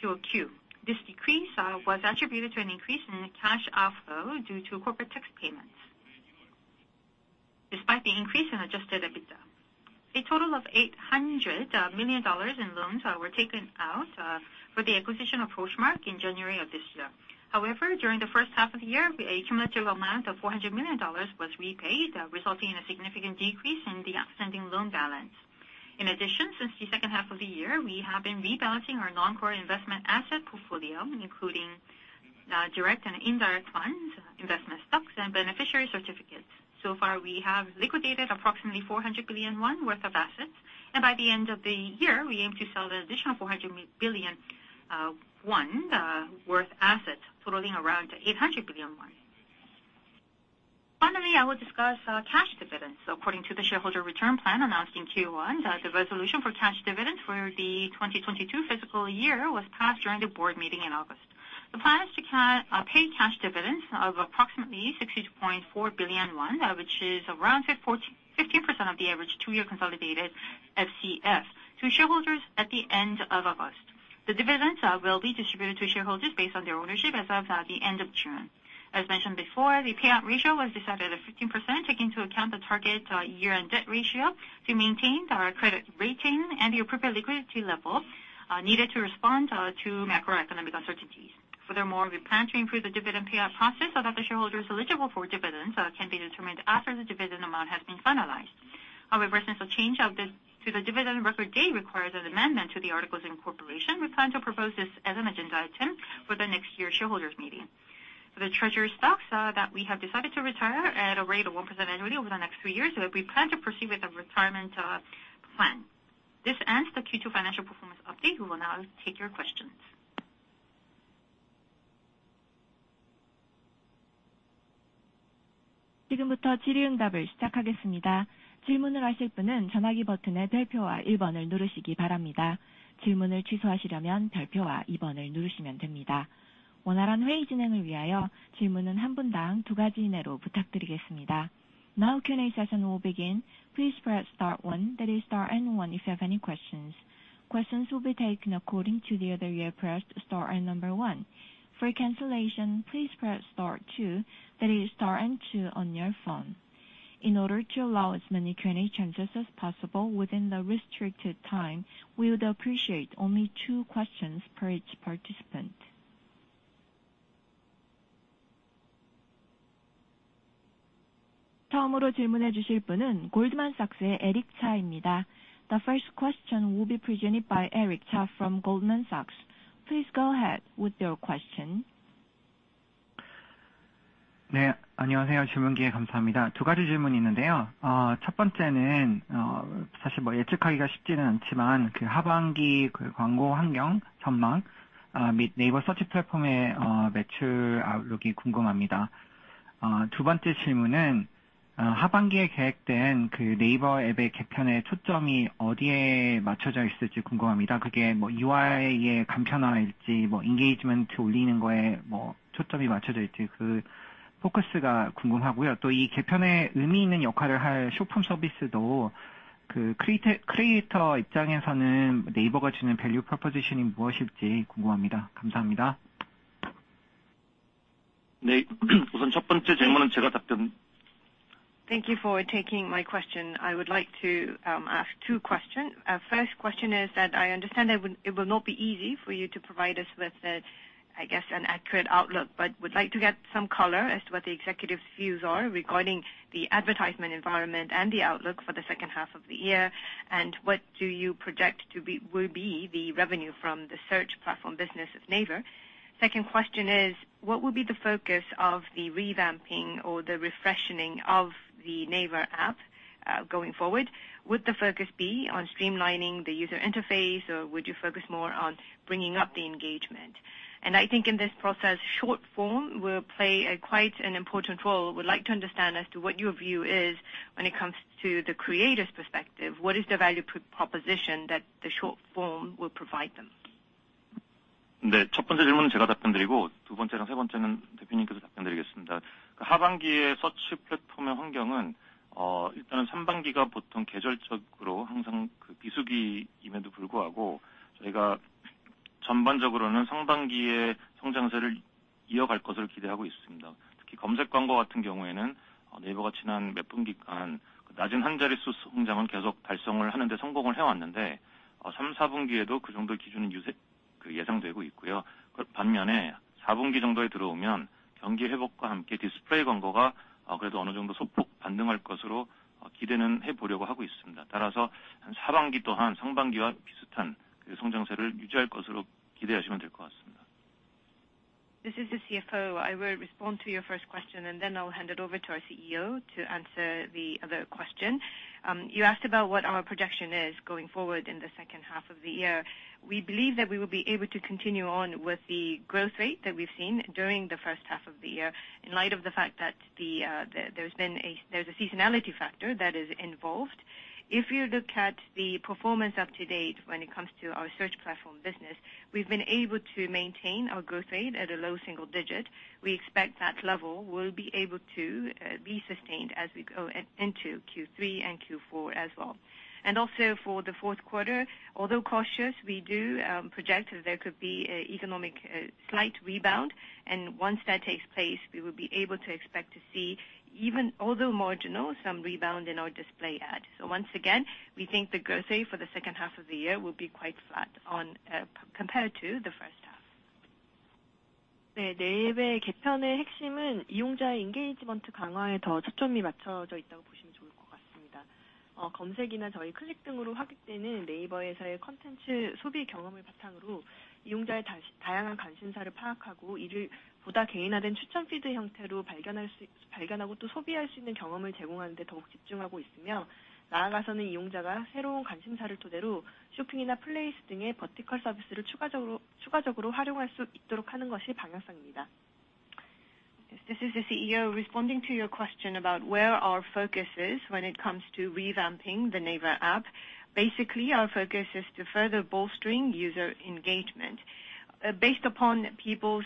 QoQ. This decrease was attributed to an increase in cash outflow due to corporate tax payments, despite the increase in adjusted EBITDA. A total of $800 million in loans were taken out for the acquisition of Poshmark in January of this year. However, during the first half of the year, a cumulative amount of $400 million was repaid, resulting in a significant decrease in the outstanding loan balance. In addition, since the second half of the year, we have been rebalancing our non-core investment asset portfolio, including direct and indirect funds, investment stocks and beneficiary certificates. So far we have liquidated approximately 400 billion won worth of assets, and by the end of the year, we aim to sell an additional 400 billion won worth assets, totaling around 800 billion won. Finally, I will discuss cash dividends. According to the shareholder return plan announced in Q1, the resolution for cash dividends for the 2022 fiscal year was passed during the board meeting in August. The plan is to pay cash dividends of approximately 62.4 billion won, which is around 15%, 15% of the average two-year consolidated FCF to shareholders at the end of August. The dividends will be distributed to shareholders based on their ownership as of the end of June. As mentioned before, the payout ratio was decided at 15%, taking into account the target year-end debt ratio to maintain our credit rating and the appropriate liquidity levels needed to respond to macroeconomic uncertainties. Furthermore, we plan to improve the dividend payout process so that the shareholders eligible for dividends can be determined after the dividend amount has been finalized. Since the change of this to the dividend record date requires an amendment to the articles of incorporation, we plan to propose this as an agenda item for the next year's shareholders meeting. The treasury stocks that we have decided to retire at a rate of 1% annually over the next 3 years, we plan to proceed with the retirement plan. This ends the Q2 financial performance update. We will now take your questions.
Now CUE:&A session will begin. Please press star one, that is star and one if you have any questions. Questions will be taken according to the order you have pressed star and number one. For cancellation, please press star two, that is star and two on your phone. In order to allow as many CUE:&A chances as possible within the restricted time, we would appreciate only two questions per each participant. The first question will be presented by Eric Cha from Goldman Sachs. Please go ahead with your question.
Thank you for taking my question. I would like to ask two questions. First question is that I understand that it, it will not be easy for you to provide us with the, I guess, an accurate outlook, but would like to get some color as to what the executive views are regarding the advertisement environment and the outlook for the second half of the year. What do you project to be, will be the revenue from the search platform business of NAVER? Second question is: What will be the focus of the revamping or the refreshening of the NAVER app going forward? Would the focus be on streamlining the user interface, or would you focus more on bringing up the engagement? I think in this process, short-form will play a quite an important role. Would like to understand as to what your view is when it comes to the creator's perspective, what is the value proposition that the short form will provide them?
This is the CFO. I will respond to your first question, and then I'll hand it over to our CEO to answer the other question. You asked about what our projection is going forward in the second half of the year. We believe that we will be able to continue on with the growth rate that we've seen during the first half of the year, in light of the fact that there's been a seasonality factor that is involved. If you look at the performance up to date when it comes to our search platform business, we've been able to maintain our growth rate at a low single digit. We expect that level will be able to be sustained as we go in, into Q3 and Q4 as well. Also for the fourth quarter, although cautious, we do project that there could be a economic slight rebound, and once that takes place, we will be able to expect to see, even although marginal, some rebound in our display ad. Once again, we think the growth rate for the second half of the year will be quite flat on compared to the first half.
Yes, this is the CEO, responding to your question about where our focus is when it comes to revamping the NAVER app. Basically, our focus is to further bolstering user engagement. Based upon people's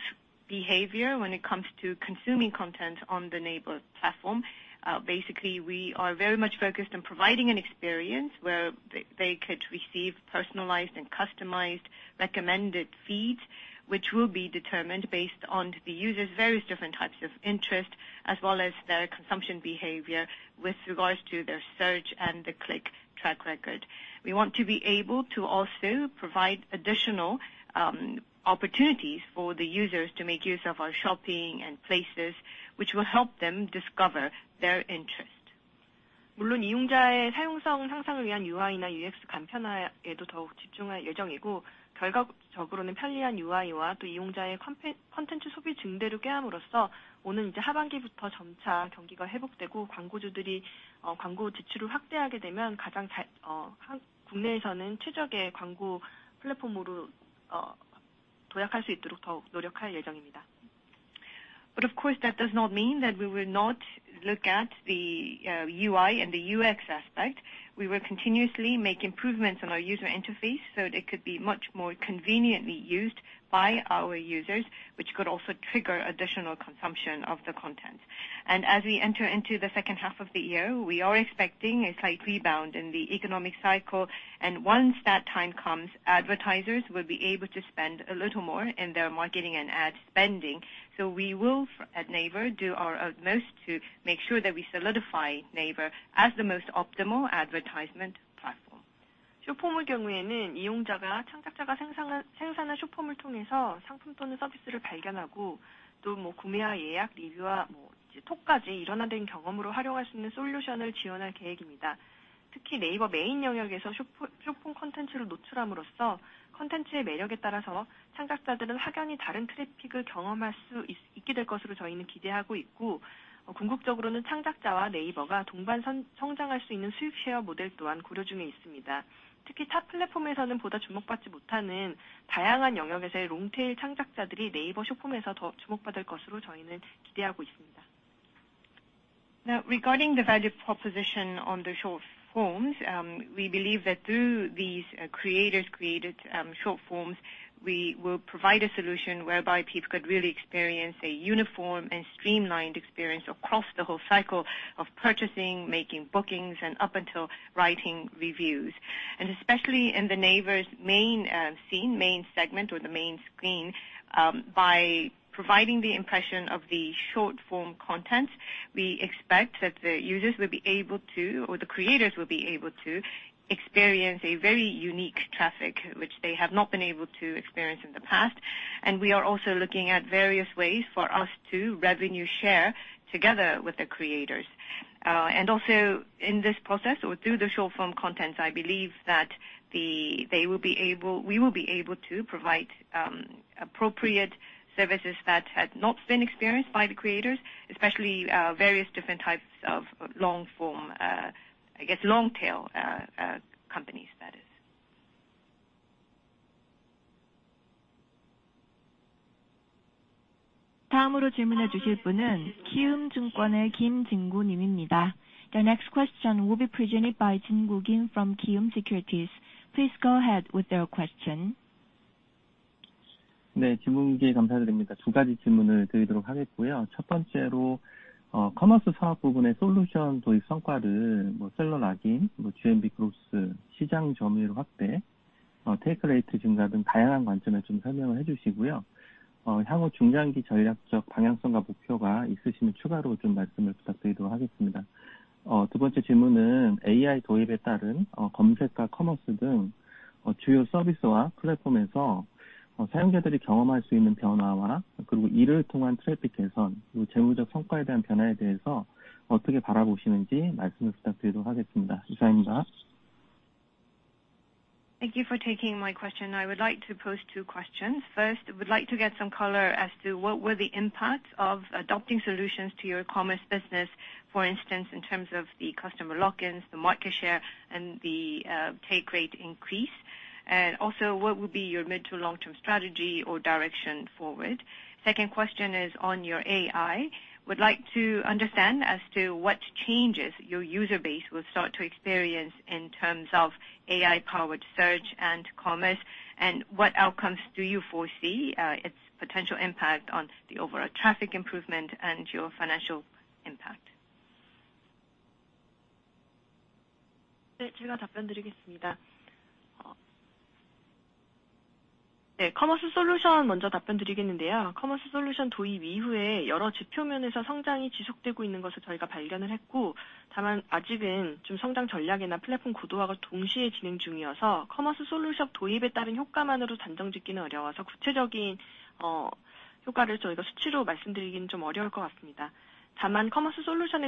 behavior when it comes to consuming content on the NAVER platform, basically, we are very much focused on providing an experience where they could receive personalized and customized recommended feeds, which will be determined based on the user's various different types of interest, as well as their consumption behavior with regards to their search and the click track record. We want to be able to also provide additional opportunities for the users to make use of our shopping and places, which will help them discover their interest. Of course, that does not mean that we will not look at the UI and the UX aspect. We will continuously make improvements on our user interface, so it could be much more conveniently used by our users, which could also trigger additional consumption of the content. As we enter into the second half of the year, we are expecting a slight rebound in the economic cycle, and once that time comes, advertisers will be able to spend a little more in their marketing and ad spending. We will, at NAVER, do our utmost to make sure that we solidify NAVER as the most optimal advertisement platform. Regarding the value proposition on the short forms, we believe that through these creators created short forms, we will provide a solution whereby people could really experience a uniform and streamlined experience across the whole cycle of purchasing, making bookings, and up until writing reviews. Especially in the NAVER's main scene, main segment or the main screen, by providing the impression of the short-form content, we expect that the users will be able to, or the creators will be able to experience a very unique traffic, which they have not been able to experience in the past. We are also looking at various ways for us to revenue share together with the creators. Also in this process or through the short-form content, I believe that they will be able, we will be able to provide appropriate services that had not been experienced by the creators, especially various different types of long form, I guess, long tail companies, that is.
The next question will be presented by Jeongin Kim from Kiwoom Securities. Please go ahead with your question.
Ne, Jeongin Kim, 감사드립니다. 두 가지 질문을 드리도록 하겠고요. 첫 번째로, 커머스 사업 부문의 솔루션 도입 성과를, 뭐 seller login, 뭐 GMV gross, 시장 점유율 확대, take rate 증가 등 다양한 관점에서 좀 설명을 해 주시고요. 향후 중장기 전략적 방향성과 목표가 있으시면 추가로 좀 말씀을 부탁드리도록 하겠습니다. 두 번째 질문은 AI 도입에 따른, 검색과 커머스 등, 주요 서비스와 플랫폼에서, 사용자들이 경험할 수 있는 변화와, 그리고 이를 통한 트래픽 개선, 그리고 재무적 성과에 대한 변화에 대해서 어떻게 바라보시는지 말씀을 부탁드리도록 하겠습니다. 이상입니다.
...Thank you for taking my question. I would like to pose two questions. First, I would like to get some color as to what were the impacts of adopting solutions to your commerce business, for instance, in terms of the customer lock-ins, the market share, and the take rate increase? Also, what would be your mid to long term strategy or direction forward? Second question is on your AI. Would like to understand as to what changes your user base will start to experience in terms of AI powered search and commerce, and what outcomes do you foresee its potential impact on the overall traffic improvement and your financial impact?
This is the CEO. Responding to your question about the commerce solution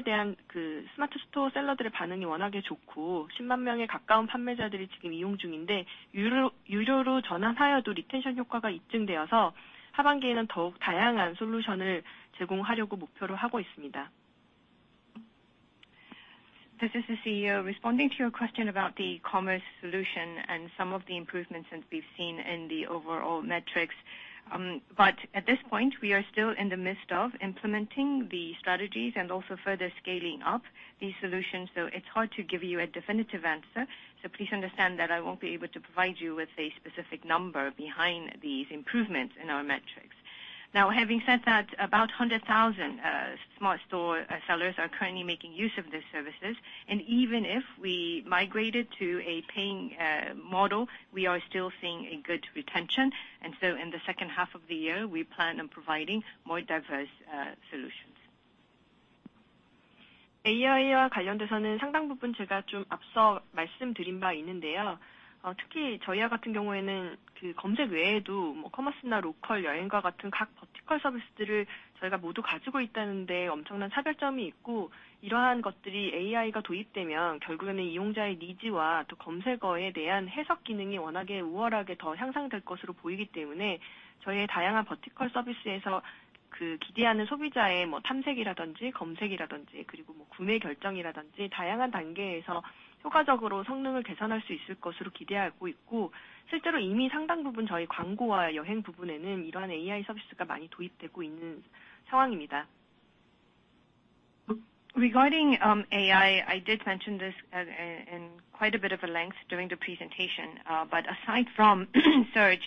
and some of the improvements that we've seen in the overall metrics. At this point, we are still in the midst of implementing the strategies and also further scaling up these solutions, so it's hard to give you a definitive answer. Please understand that I won't be able to provide you with a specific number behind these improvements in our metrics. Now, having said that, about 100,000 Smart Store sellers are currently making use of these services, and even if we migrated to a paying model, we are still seeing a good retention. In the second half of the year, we plan on providing more diverse solutions. Regarding AI, I did mention this in quite a bit of a length during the presentation. Aside from search,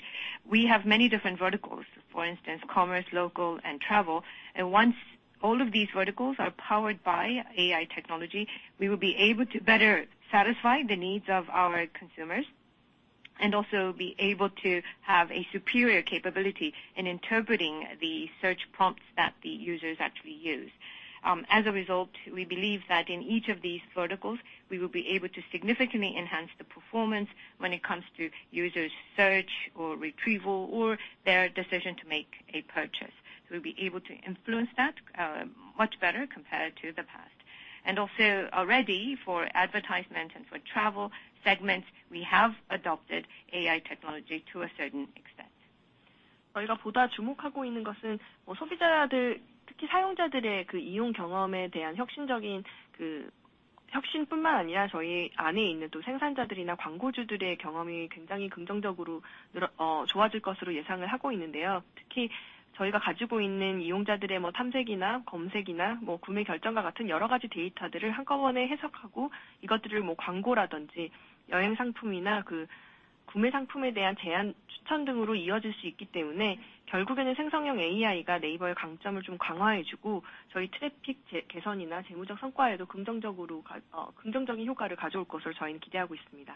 we have many different verticals. For instance, commerce, local, and travel. Once all of these verticals are powered by AI technology, we will be able to better satisfy the needs of our consumers and also be able to have a superior capability in interpreting the search prompts that the users actually use. As a result, we believe that in each of these verticals, we will be able to significantly enhance the performance when it comes to users search or retrieval, or their decision to make a purchase. We'll be able to influence that much better compared to the past. Also already for advertisement and for travel segments, we have adopted AI technology to a certain extent.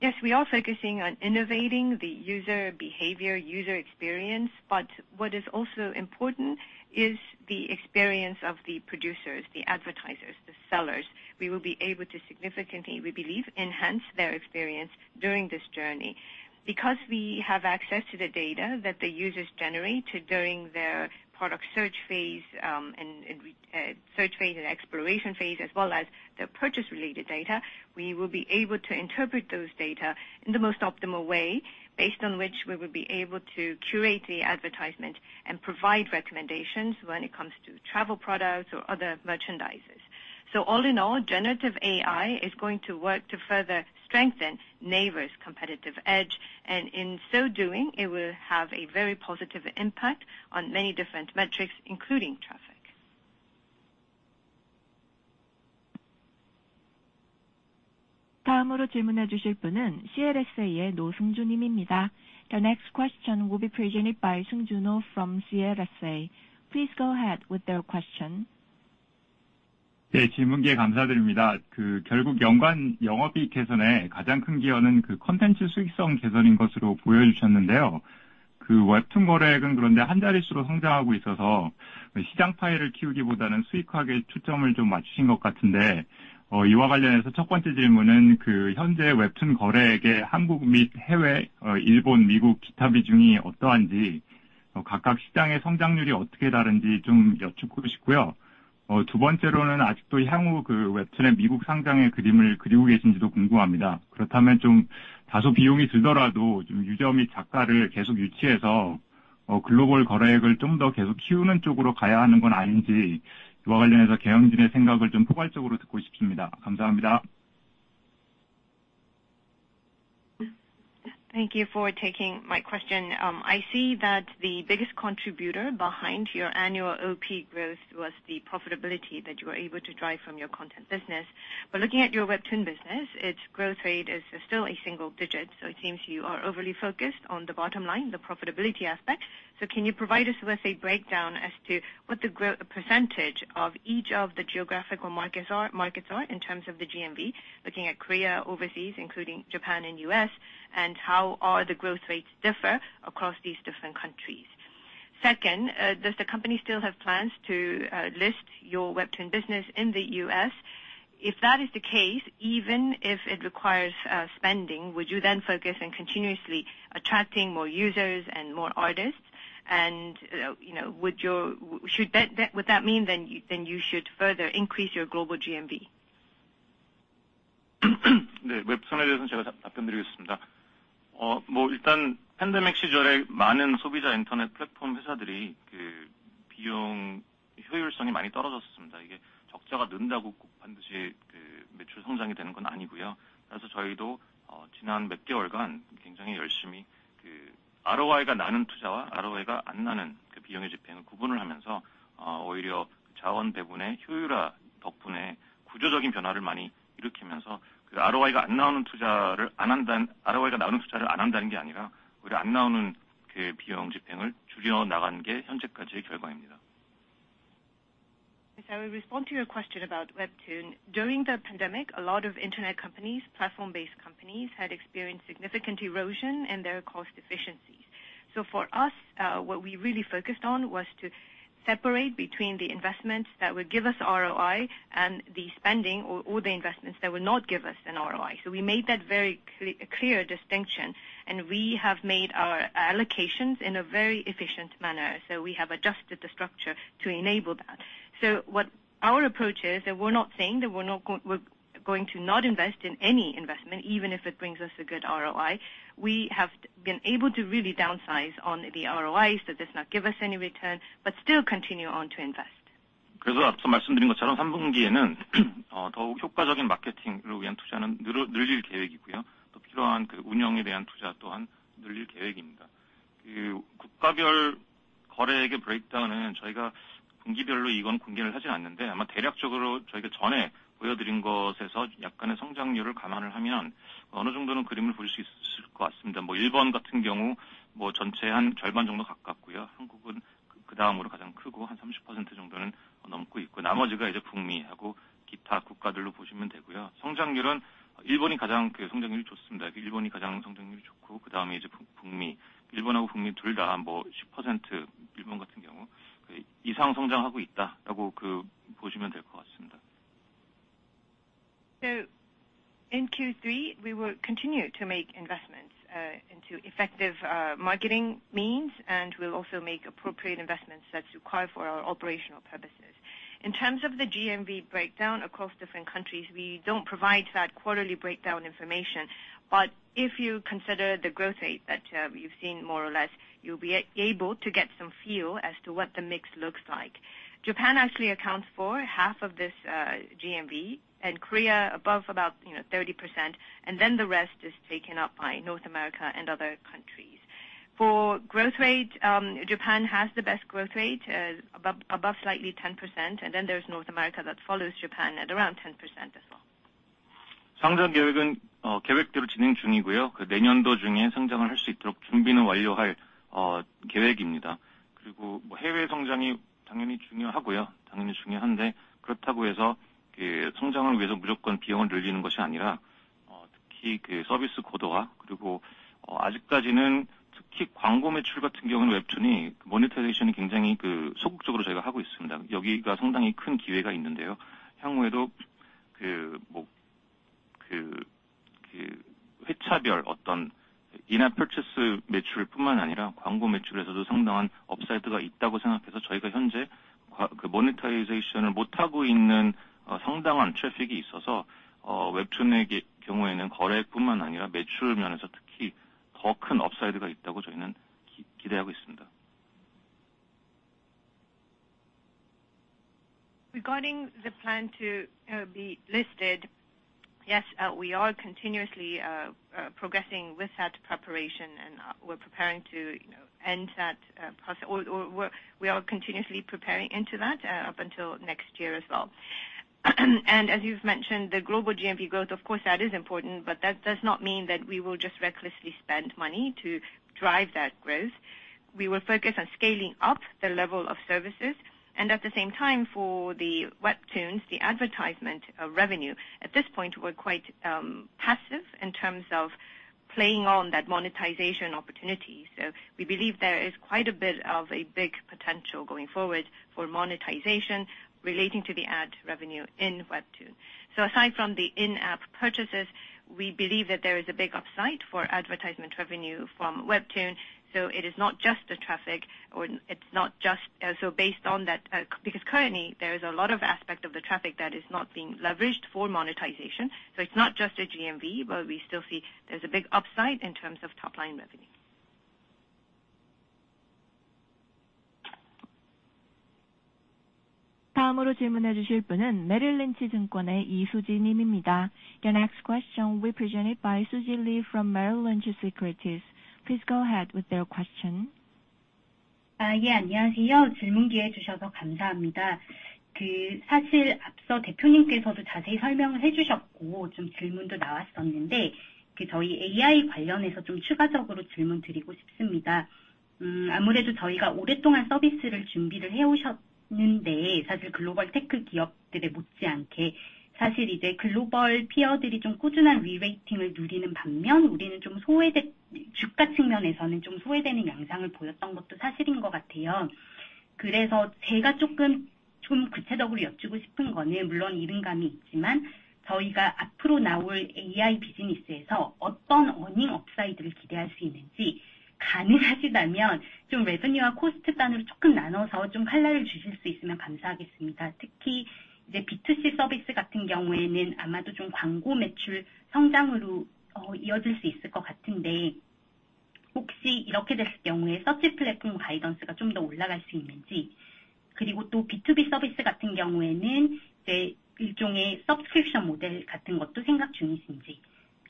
Yes, we are focusing on innovating the user behavior, user experience, but what is also important is the experience of the producers, the advertisers, the sellers. We will be able to significantly, we believe, enhance their experience during this journey. We have access to the data that the users generate during their product search phase, and, and search phase and exploration phase, as well as the purchase related data, we will be able to interpret those data in the most optimal way, based on which we will be able to curate the advertisement and provide recommendations when it comes to travel products or other merchandises. All in all, generative AI is going to work to further strengthen NAVER's competitive edge, and in so doing, it will have a very positive impact on many different metrics, including traffic.
Foreign language. The next question will be presented by Seungjoo Ro from CLSA. Please go ahead with your question.
Foreign language.
Thank you for taking my question. I see that the biggest contributor behind your annual OP growth was the profitability that you were able to drive from your content business. Looking at your WEBTOON business, its growth rate is still a single digit, so it seems you are overly focused on the bottom line, the profitability aspect. Can you provide us with a breakdown as to what the growth percentage of each of the geographical markets are, markets are in terms of the GMV, looking at Korea, overseas, including Japan and US, and how are the growth rates differ across these different countries? Second, does the company still have plans to list your WEBTOON business in the US? If that is the case, even if it requires spending, would you then focus on continuously attracting more users and more artists?
You know, should that, would that mean then you should further increase your global GMV?
Foreign language.
I will respond to your question about Webtoon. During the pandemic, a lot of internet companies, platform-based companies, had experienced significant erosion in their cost efficiencies. For us, what we really focused on was to separate between the investments that would give us ROI and the spending or the investments that would not give us an ROI. We made that very clear distinction, and we have made our allocations in a very efficient manner. We have adjusted the structure to enable that. What our approach is, that we're not saying that we're not going to not invest in any investment, even if it brings us a good ROI. We have been able to really downsize on the ROIs that does not give us any return, but still continue on to invest.
Foreign language.
In Q3, we will continue to make investments into effective marketing means, and we'll also make appropriate investments that's required for our operational purposes. In terms of the GMV breakdown across different countries, we don't provide that quarterly breakdown information. If you consider the growth rate that you've seen more or less, you'll be able to get some feel as to what the mix looks like. Japan actually accounts for half of this GMV, and Korea above about, you know, 30%, and then the rest is taken up by North America and other countries. For growth rate, Japan has the best growth rate, above slightly 10%, and then there's North America that follows Japan at around 10% as well.
Foreign language.
Regarding the plan to be listed, yes, we are continuously progressing with that preparation, we're preparing to, you know, end that process or, or we're, we are continuously preparing into that up until next year as well. As you've mentioned, the global GMV growth, of course, that is important, but that does not mean that we will just recklessly spend money to drive that growth. We will focus on scaling up the level of services, and at the same time, for the WEBTOON, the advertisement revenue. At this point, we're quite passive in terms of playing on that monetization opportunity. We believe there is quite a bit of a big potential going forward for monetization relating to the ad revenue in WEBTOON. Aside from the in-app purchases, we believe that there is a big upside for advertisement revenue from WEBTOON. It is not just the traffic, or it's not just, based on that, because currently there is a lot of aspect of the traffic that is not being leveraged for monetization. It's not just a GMV, but we still see there's a big upside in terms of top line revenue.
Foreign language. Your next question will be presented by Susie Lee from Merrill Lynch Securities. Please go ahead with your question.
Foreign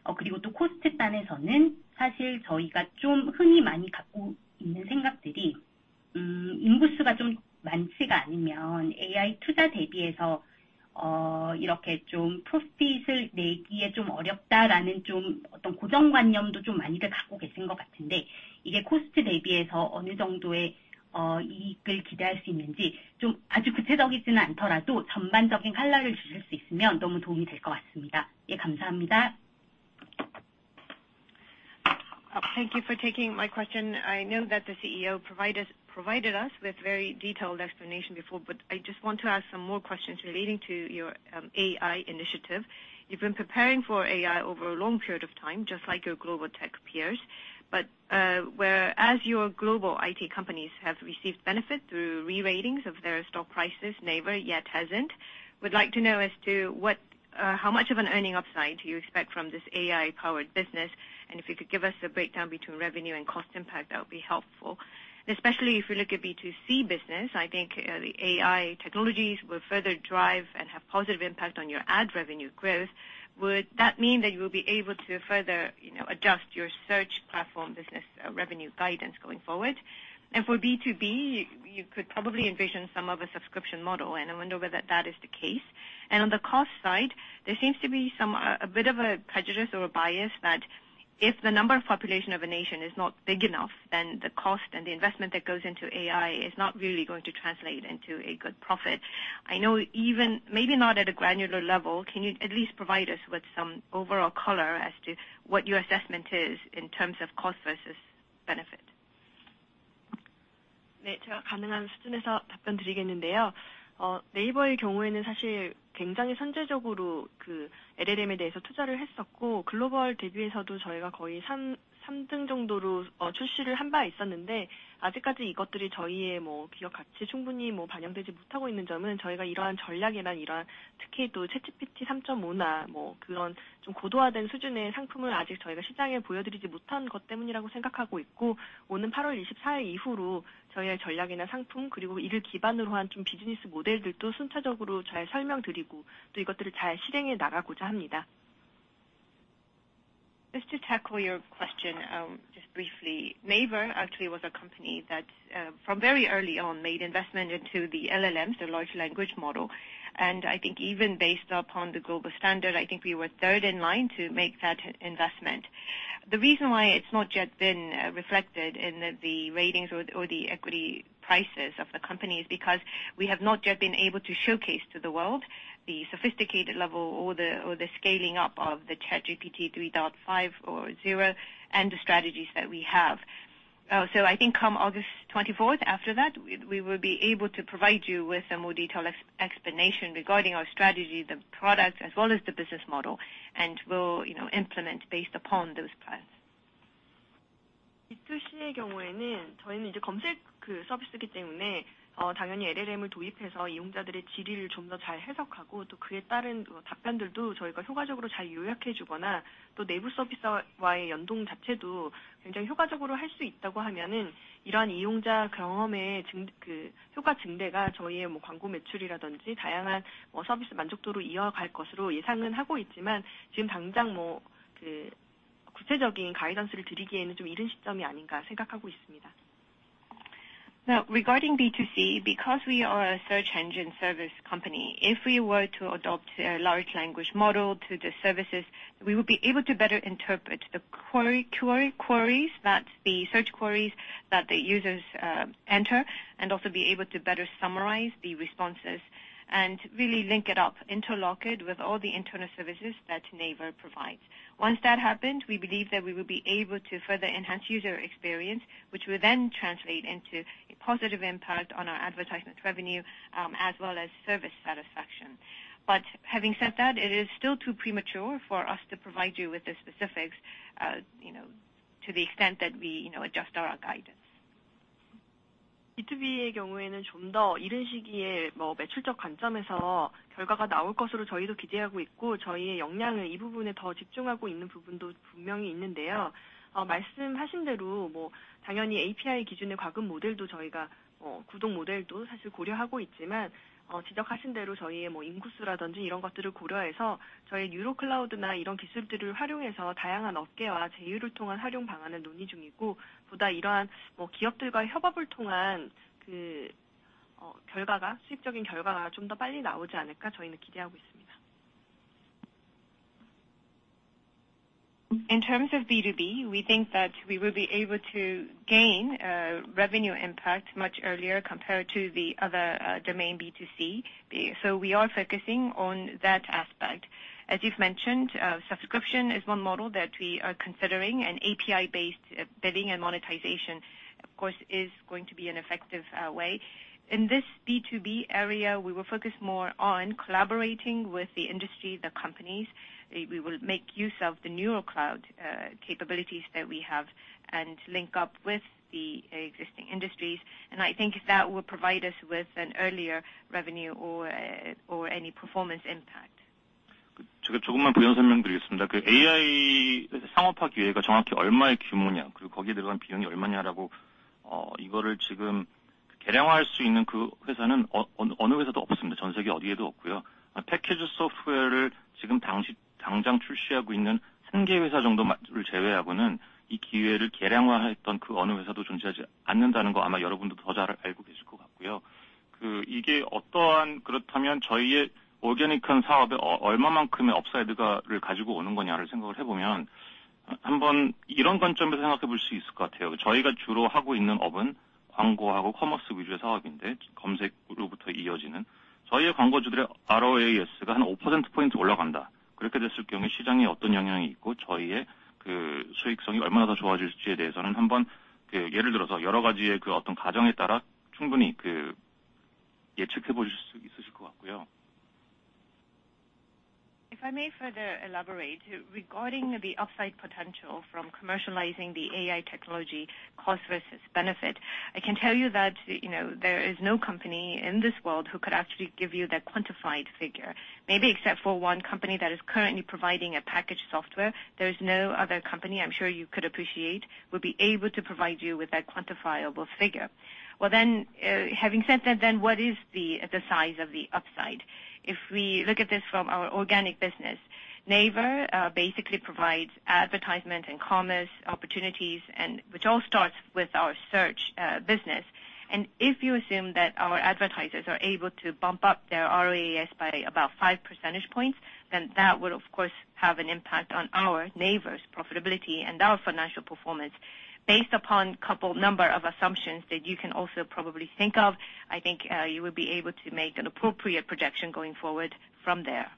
language.
Thank you for taking my question. I know that the CEO provided, provided us with very detailed explanation before, but I just want to ask some more questions relating to your AI initiative. You've been preparing for AI over a long period of time, just like your global tech peers, but whereas your global IT companies have received benefit through re-ratings of their stock prices, NAVER yet hasn't. Would like to know as to what, how much of an earning upside do you expect from this AI-powered business? If you could give us a breakdown between revenue and cost impact, that would be helpful. Especially if you look at B2C business, I think the AI technologies will further drive and have positive impact on your ad revenue growth. Would that mean that you will be able to further, you know, adjust your search platform business revenue guidance going forward? For B2B, you could probably envision some of a subscription model, and I wonder whether that is the case. On the cost side, there seems to be some, a bit of a prejudice or a bias that if the number of population of a nation is not big enough, then the cost and the investment that goes into AI is not really going to translate into a good profit. I know even, maybe not at a granular level, can you at least provide us with some overall color as to what your assessment is in terms of cost versus benefit? Foreign language.
Just to tackle your question, just briefly, NAVER actually was a company that from very early on made investment into the LLMs, the large language model. I think even based upon the global standard, I think we were third in line to make that investment. The reason why it's not yet been reflected in the ratings or the equity prices of the company is because we have not yet been able to showcase to the world the sophisticated level or the scaling up of the ChatGPT-3.5 or 0, and the strategies that we have. I think come August 24th, after that, we will be able to provide you with a more detailed explanation regarding our strategy, the products as well as the business model, and we'll, you know, implement based upon those plans. Regarding B2C, because we are a search engine service company, if we were to adopt a large language model to the services, we would be able to better interpret the query, query, queries, that the search queries that the users enter and also be able to better summarize the responses and really link it up, interlock it with all the internal services that NAVER provides. Once that happens, we believe that we will be able to further enhance user experience, which will then translate into a positive impact on our advertisement revenue, as well as service satisfaction. Having said that, it is still too premature for us to provide you with the specifics, you know, to the extent that we, you know, adjust our, our guidance. In terms of B2B, we think that we will be able to gain revenue impact much earlier compared to the other domain, B2C. We are focusing on that aspect. As you've mentioned, subscription is one model that we are considering. API-based billing and monetization, of course, is going to be an effective way. In this B2B area, we will focus more on collaborating with the industry, the companies. We will make use of the neural cloud capabilities that we have and link up with the existing industries. I think that will provide us with an earlier revenue or or any performance impact.
Foreign language
If I may further elaborate, regarding the upside potential from commercializing the AI technology cost versus benefit, I can tell you that, you know, there is no company in this world who could actually give you that quantified figure. Maybe except for one company that is currently providing a package software, there is no other company I'm sure you could appreciate, would be able to provide you with that quantifiable figure. Well, then, having said that, then what is the size of the upside? If we look at this from our organic business, NAVER basically provides advertisement and commerce opportunities, and which all starts with our search business. If you assume that our advertisers are able to bump up their ROAS by about 5 percentage points, then that will, of course, have an impact on our, NAVER's profitability and our financial performance. Based upon couple number of assumptions that you can also probably think of, I think, you will be able to make an appropriate projection going forward from there.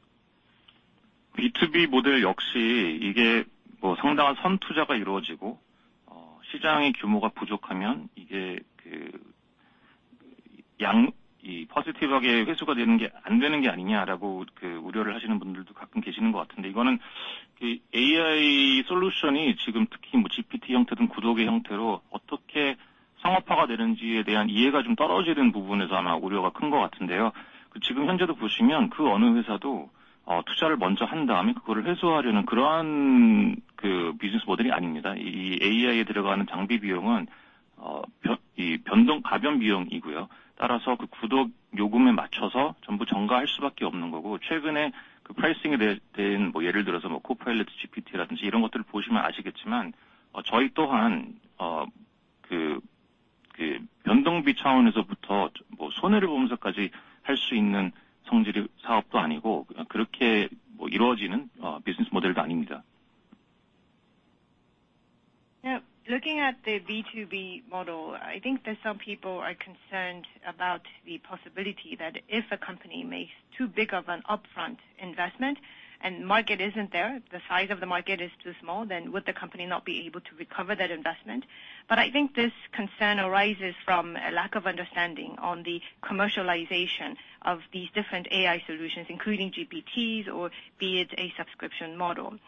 Looking at the B2B model, I think that some people are concerned about the possibility that if a company makes too big of an upfront investment and market isn't there, the size of the market is too small, then would the company not be able to recover that investment? I think this concern arises from a lack of understanding on the commercialization of these different AI solutions, including GPTs or be it a subscription model.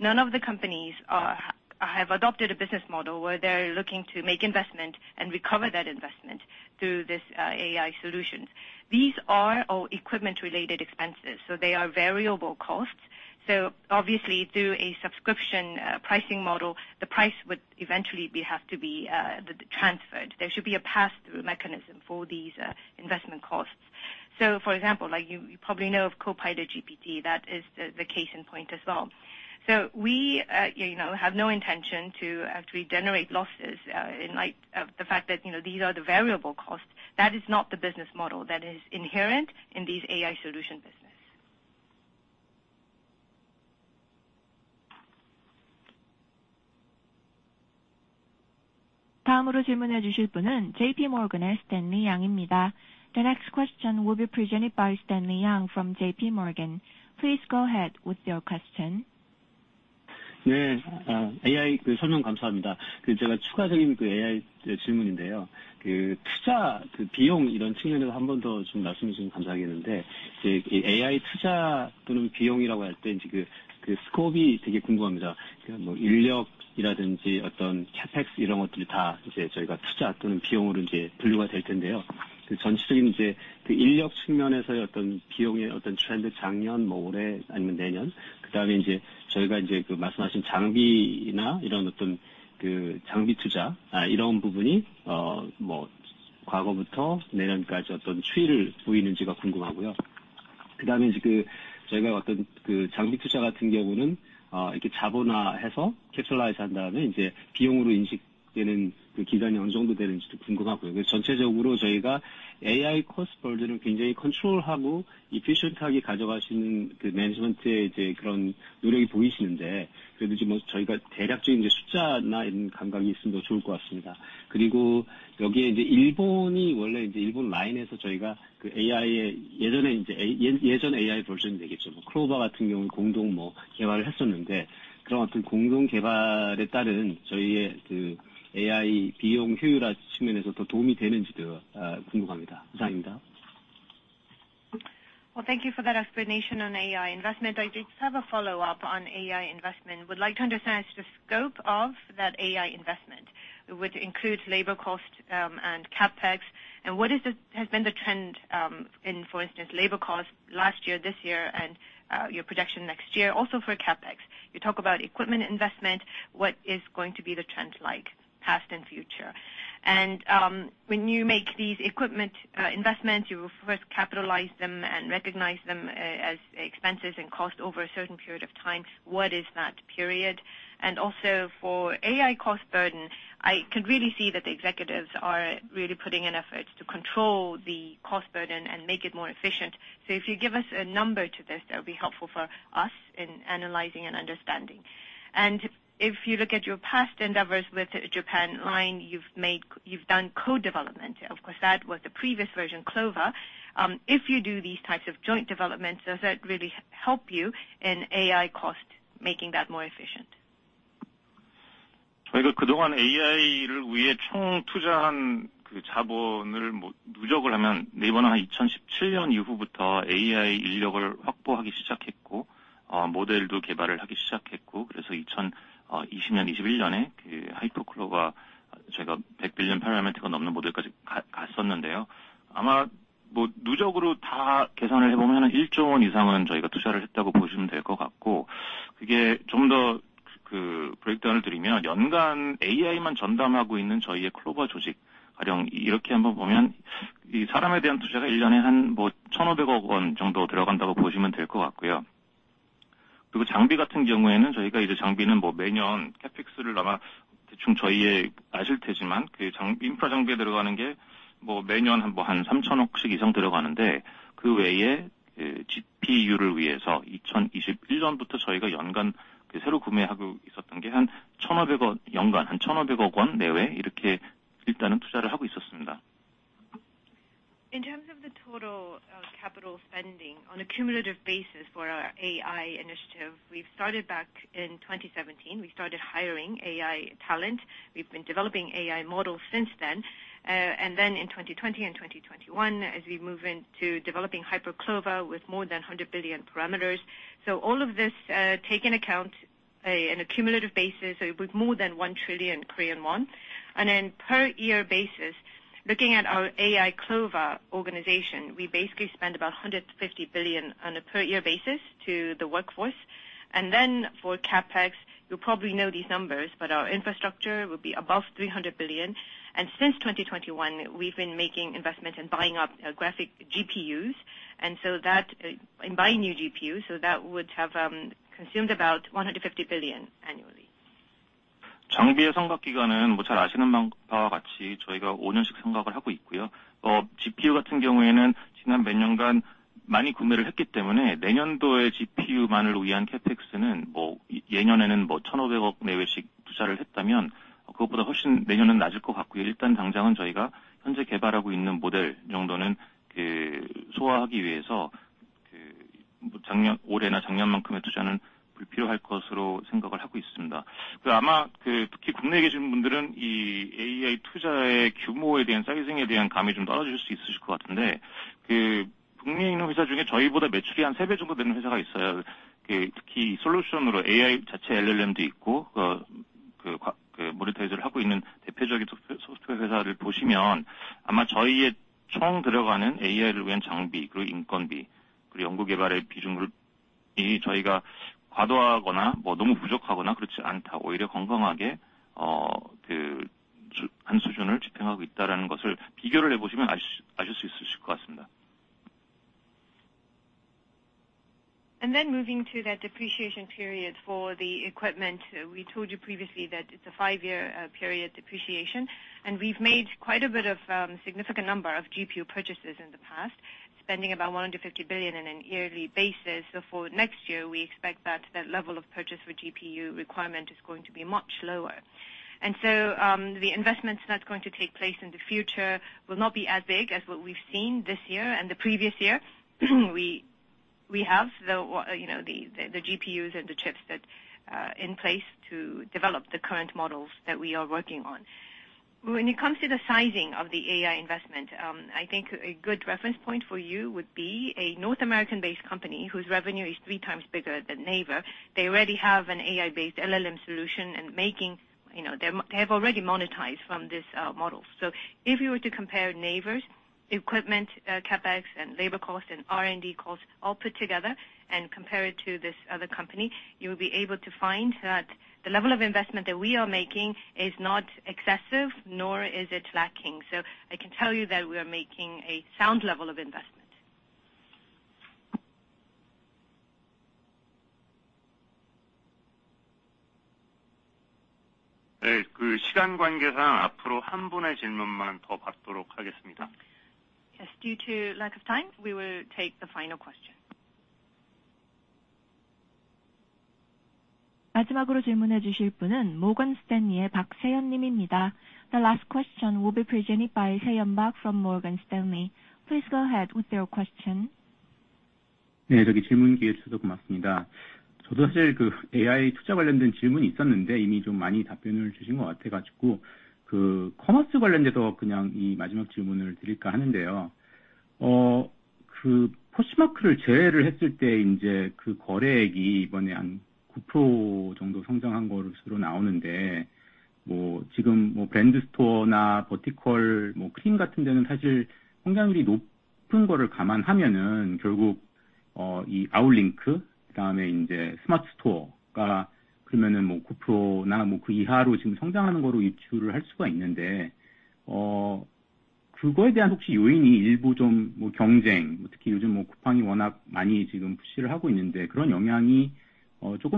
None of the companies are, have adopted a business model where they're looking to make investment and recover that investment through this AI solution. These are all equipment related expenses, so they are variable costs. Obviously, through a subscription, pricing model, the price would eventually be, have to be, transferred. There should be a pass-through mechanism for these, investment costs. For example, like you probably know of Copilot GPT, that is the, the case in point as well. We, you know, have no intention to actually generate losses, in light of the fact that, you know, these are the variable costs. That is not the business model that is inherent in these AI solution business.
The next question will be presented by Stanley Yang from JPMorgan. Please go ahead with your question.
AI inaudible. The scope AI inaudible CapEx inaudible. Trend, last year, inaudible, next year. Inaudible equipment investment, what is going to be the trend like past and future? When you make these equipment investments, you first capitalize them and recognize them as expenses and cost over a certain period of time. What is that period? Also for AI cost burden, I can really see that the executives are really putting in efforts to control the cost burden and make it more efficient. If you give us a number to this, that would be helpful for us in analyzing and understanding. If you look at your past endeavors with Japan Line, you've made -- you've done co-development. Of course, that was the previous version, CLOVA. If you do these types of joint developments, does that really help you in AI cost, making that more efficient?
Well, thank you for that explanation on AI investment. I just have a follow-up on AI investment. Would like to understand the scope of that AI investment, which includes labor cost, and CapEx. What is the, has been the trend, in, for instance, labor costs last year, this year, and your projection next year also for CapEx? You talk about equipment investment, what is going to be the trend like past and future? When you make these equipment investments, you first capitalize them and recognize them as expenses and cost over a certain period of time. What is that period? Also for AI cost burden, I can really see that the executives are really putting in efforts to control the cost burden and make it more efficient. If you give us a number to this, that would be helpful for us in analyzing and understanding. If you look at your past endeavors with Japan Line, you've made, you've done co-development. Of course, that was the previous version, CLOVA. If you do these types of joint developments, does that really help you in AI cost, making that more efficient?
In terms of the total capital spending on a cumulative basis for our AI initiative, we've started back in 2017. We started hiring AI talent. We've been developing AI models since then. Then in 2020 and 2021, as we move into developing HyperCLOVA with more than 100 billion parameters. All of this, take in account, in a cumulative basis with more than 1 trillion Korean won, per year basis, looking at our AI CLOVA organization, we basically spend about 150 billion on a per year basis to the workforce. For CapEx, you probably know these numbers, but our infrastructure will be above 300 billion. Since 2021, we've been making investments in buying up graphic GPUs, and so that and buying new GPUs, so that would have consumed about 150 billion annually. Moving to the depreciation period for the equipment. We told you previously that it's a 5-year period depreciation, and we've made quite a bit of significant number of GPU purchases in the past, spending about 150 billion in a yearly basis. For next year, we expect that that level of purchase for GPU requirement is going to be much lower. The investments that's going to take place in the future will not be as big as what we've seen this year and the previous year. We, we have the, you know, the, the GPUs and the chips that in place to develop the current models that we are working on. When it comes to the sizing of the AI investment, I think a good reference point for you would be a North American-based company whose revenue is 3 times bigger than NAVER. They already have an AI-based LLM solution and, you know, they, they have already monetized from this model. So if you were to compare NAVER's equipment, CapEx and labor costs and R&D costs all put together and compare it to this other company, you will be able to find that the level of investment that we are making is not excessive, nor is it lacking. So I can tell you that we are making a sound level of investment.
Foreign language.
Yes, due to lack of time, we will take the final question.
The last question will be presented by Seyon Park from Morgan Stanley. Please go ahead with your question.
Yeah.
Yes,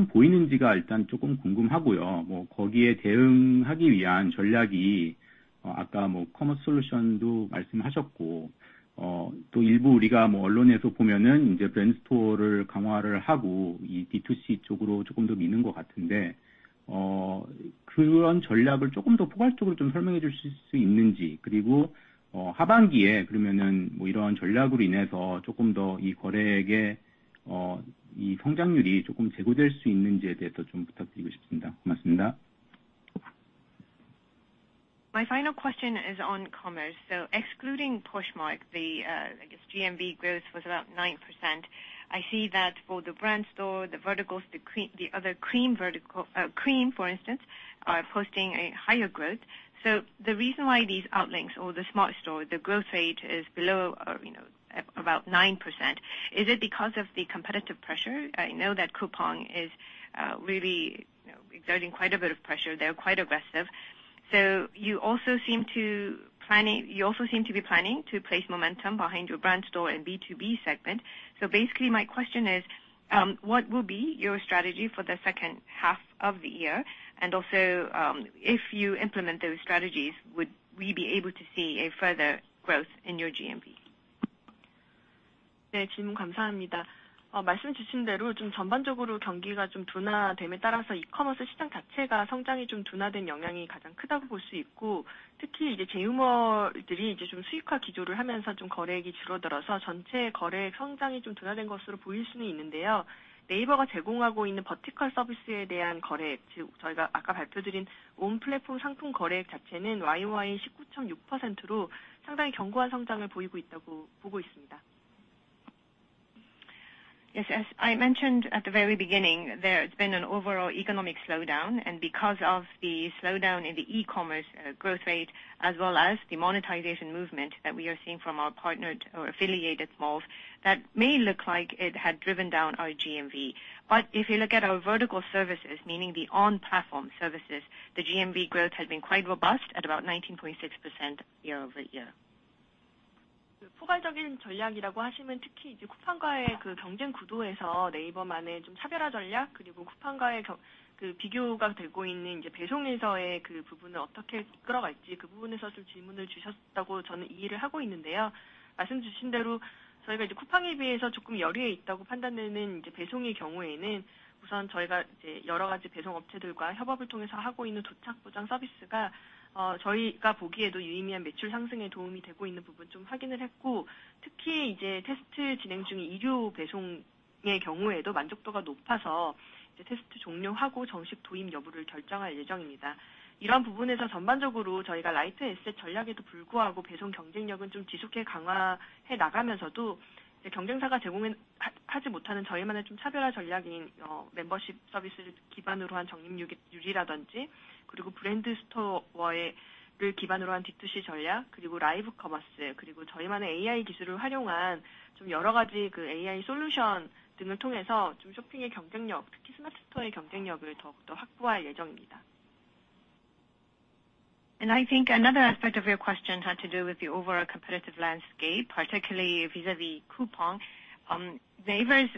as I mentioned at the very beginning, there's been an overall economic slowdown. Because of the slowdown in the e-commerce growth rate, as well as the monetization movement that we are seeing from our partnered or affiliated malls, that may look like it had driven down our GMV. If you look at our vertical services, meaning the on-platform services, the GMV growth has been quite robust at about 19.6% year-over-year.
Yes. As I mentioned at the very beginning, there's been an overall economic slowdown, and because of the slowdown in the e-commerce growth rate, as well as the monetization movement that we are seeing from our partnered or affiliated malls, that may look like it had driven down our GMV. If you look at our vertical services, meaning the on-platform services, the GMV growth has been quite robust at about YOY.
I think another aspect of your question had to do with the overall competitive landscape, particularly vis-a-vis Coupang. NAVER's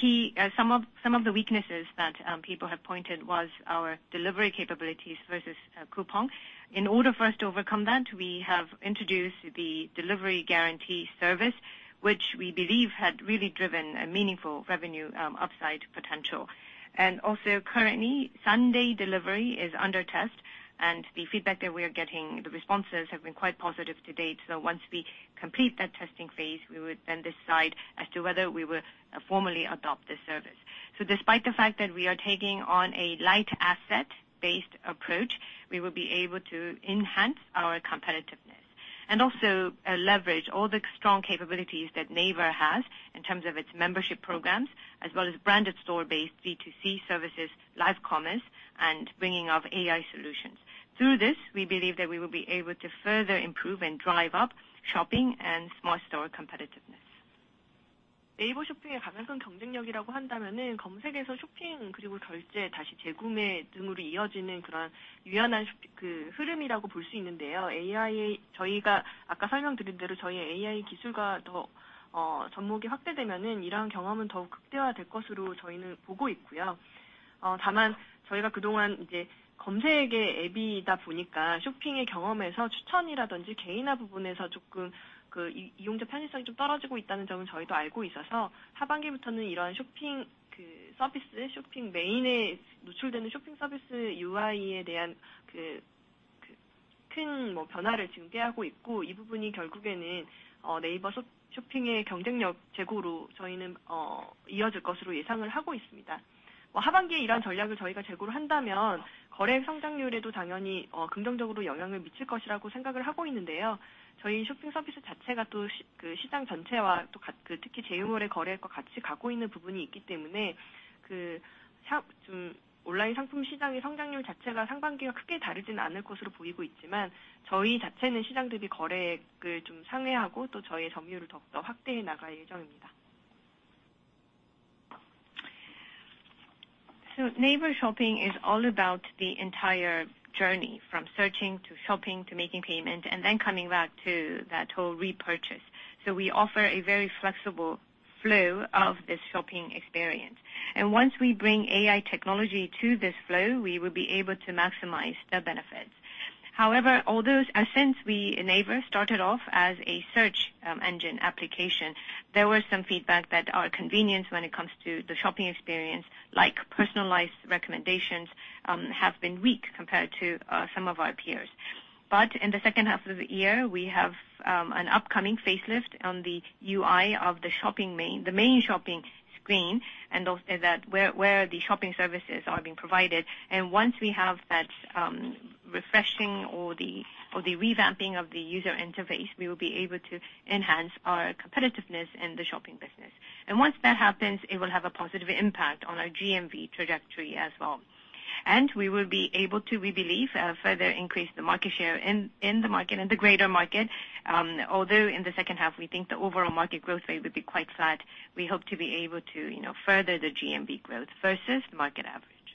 key, some of, some of the weaknesses that people have pointed was our delivery capabilities versus Coupang. In order for us to overcome that, we have introduced the Naver Delivery Guarantee Service, which we believe had really driven a meaningful revenue, upside potential. Also currently, Sunday delivery is under test, and the feedback that we are getting, the responses have been quite positive to date. Once we complete that testing phase, we would then decide as to whether we will formally adopt this service. Despite the fact that we are taking on a light asset-based approach, we will be able to enhance our competitiveness and also leverage all the strong capabilities that NAVER has in terms of its membership programs, as well as Brand Store-based B2C services, live commerce, and bringing of AI solutions. Through this, we believe that we will be able to further improve and drive up shopping and Smart Store competitiveness. NAVER Shopping is all about the entire journey, from searching to shopping, to making payment, and then coming back to that whole repurchase. We offer a very flexible flow of this shopping experience, and once we bring AI technology to this flow, we will be able to maximize the benefits. However, although since we, NAVER, started off as a search engine application, there were some feedback that our convenience when it comes to the shopping experience, like personalized recommendations, have been weak compared to some of our peers. In the second half of the year, we have an upcoming facelift on the UI of the shopping main, the main shopping screen, and also that where, where the shopping services are being provided. Once we have that refreshing or the, or the revamping of the user interface, we will be able to enhance our competitiveness in the shopping business. Once that happens, it will have a positive impact on our GMV trajectory as well. We will be able to, we believe, further increase the market share in, in the market, in the greater market. Although in the second half, we think the overall market growth rate will be quite flat, we hope to be able to, you know, further the GMV growth versus market average.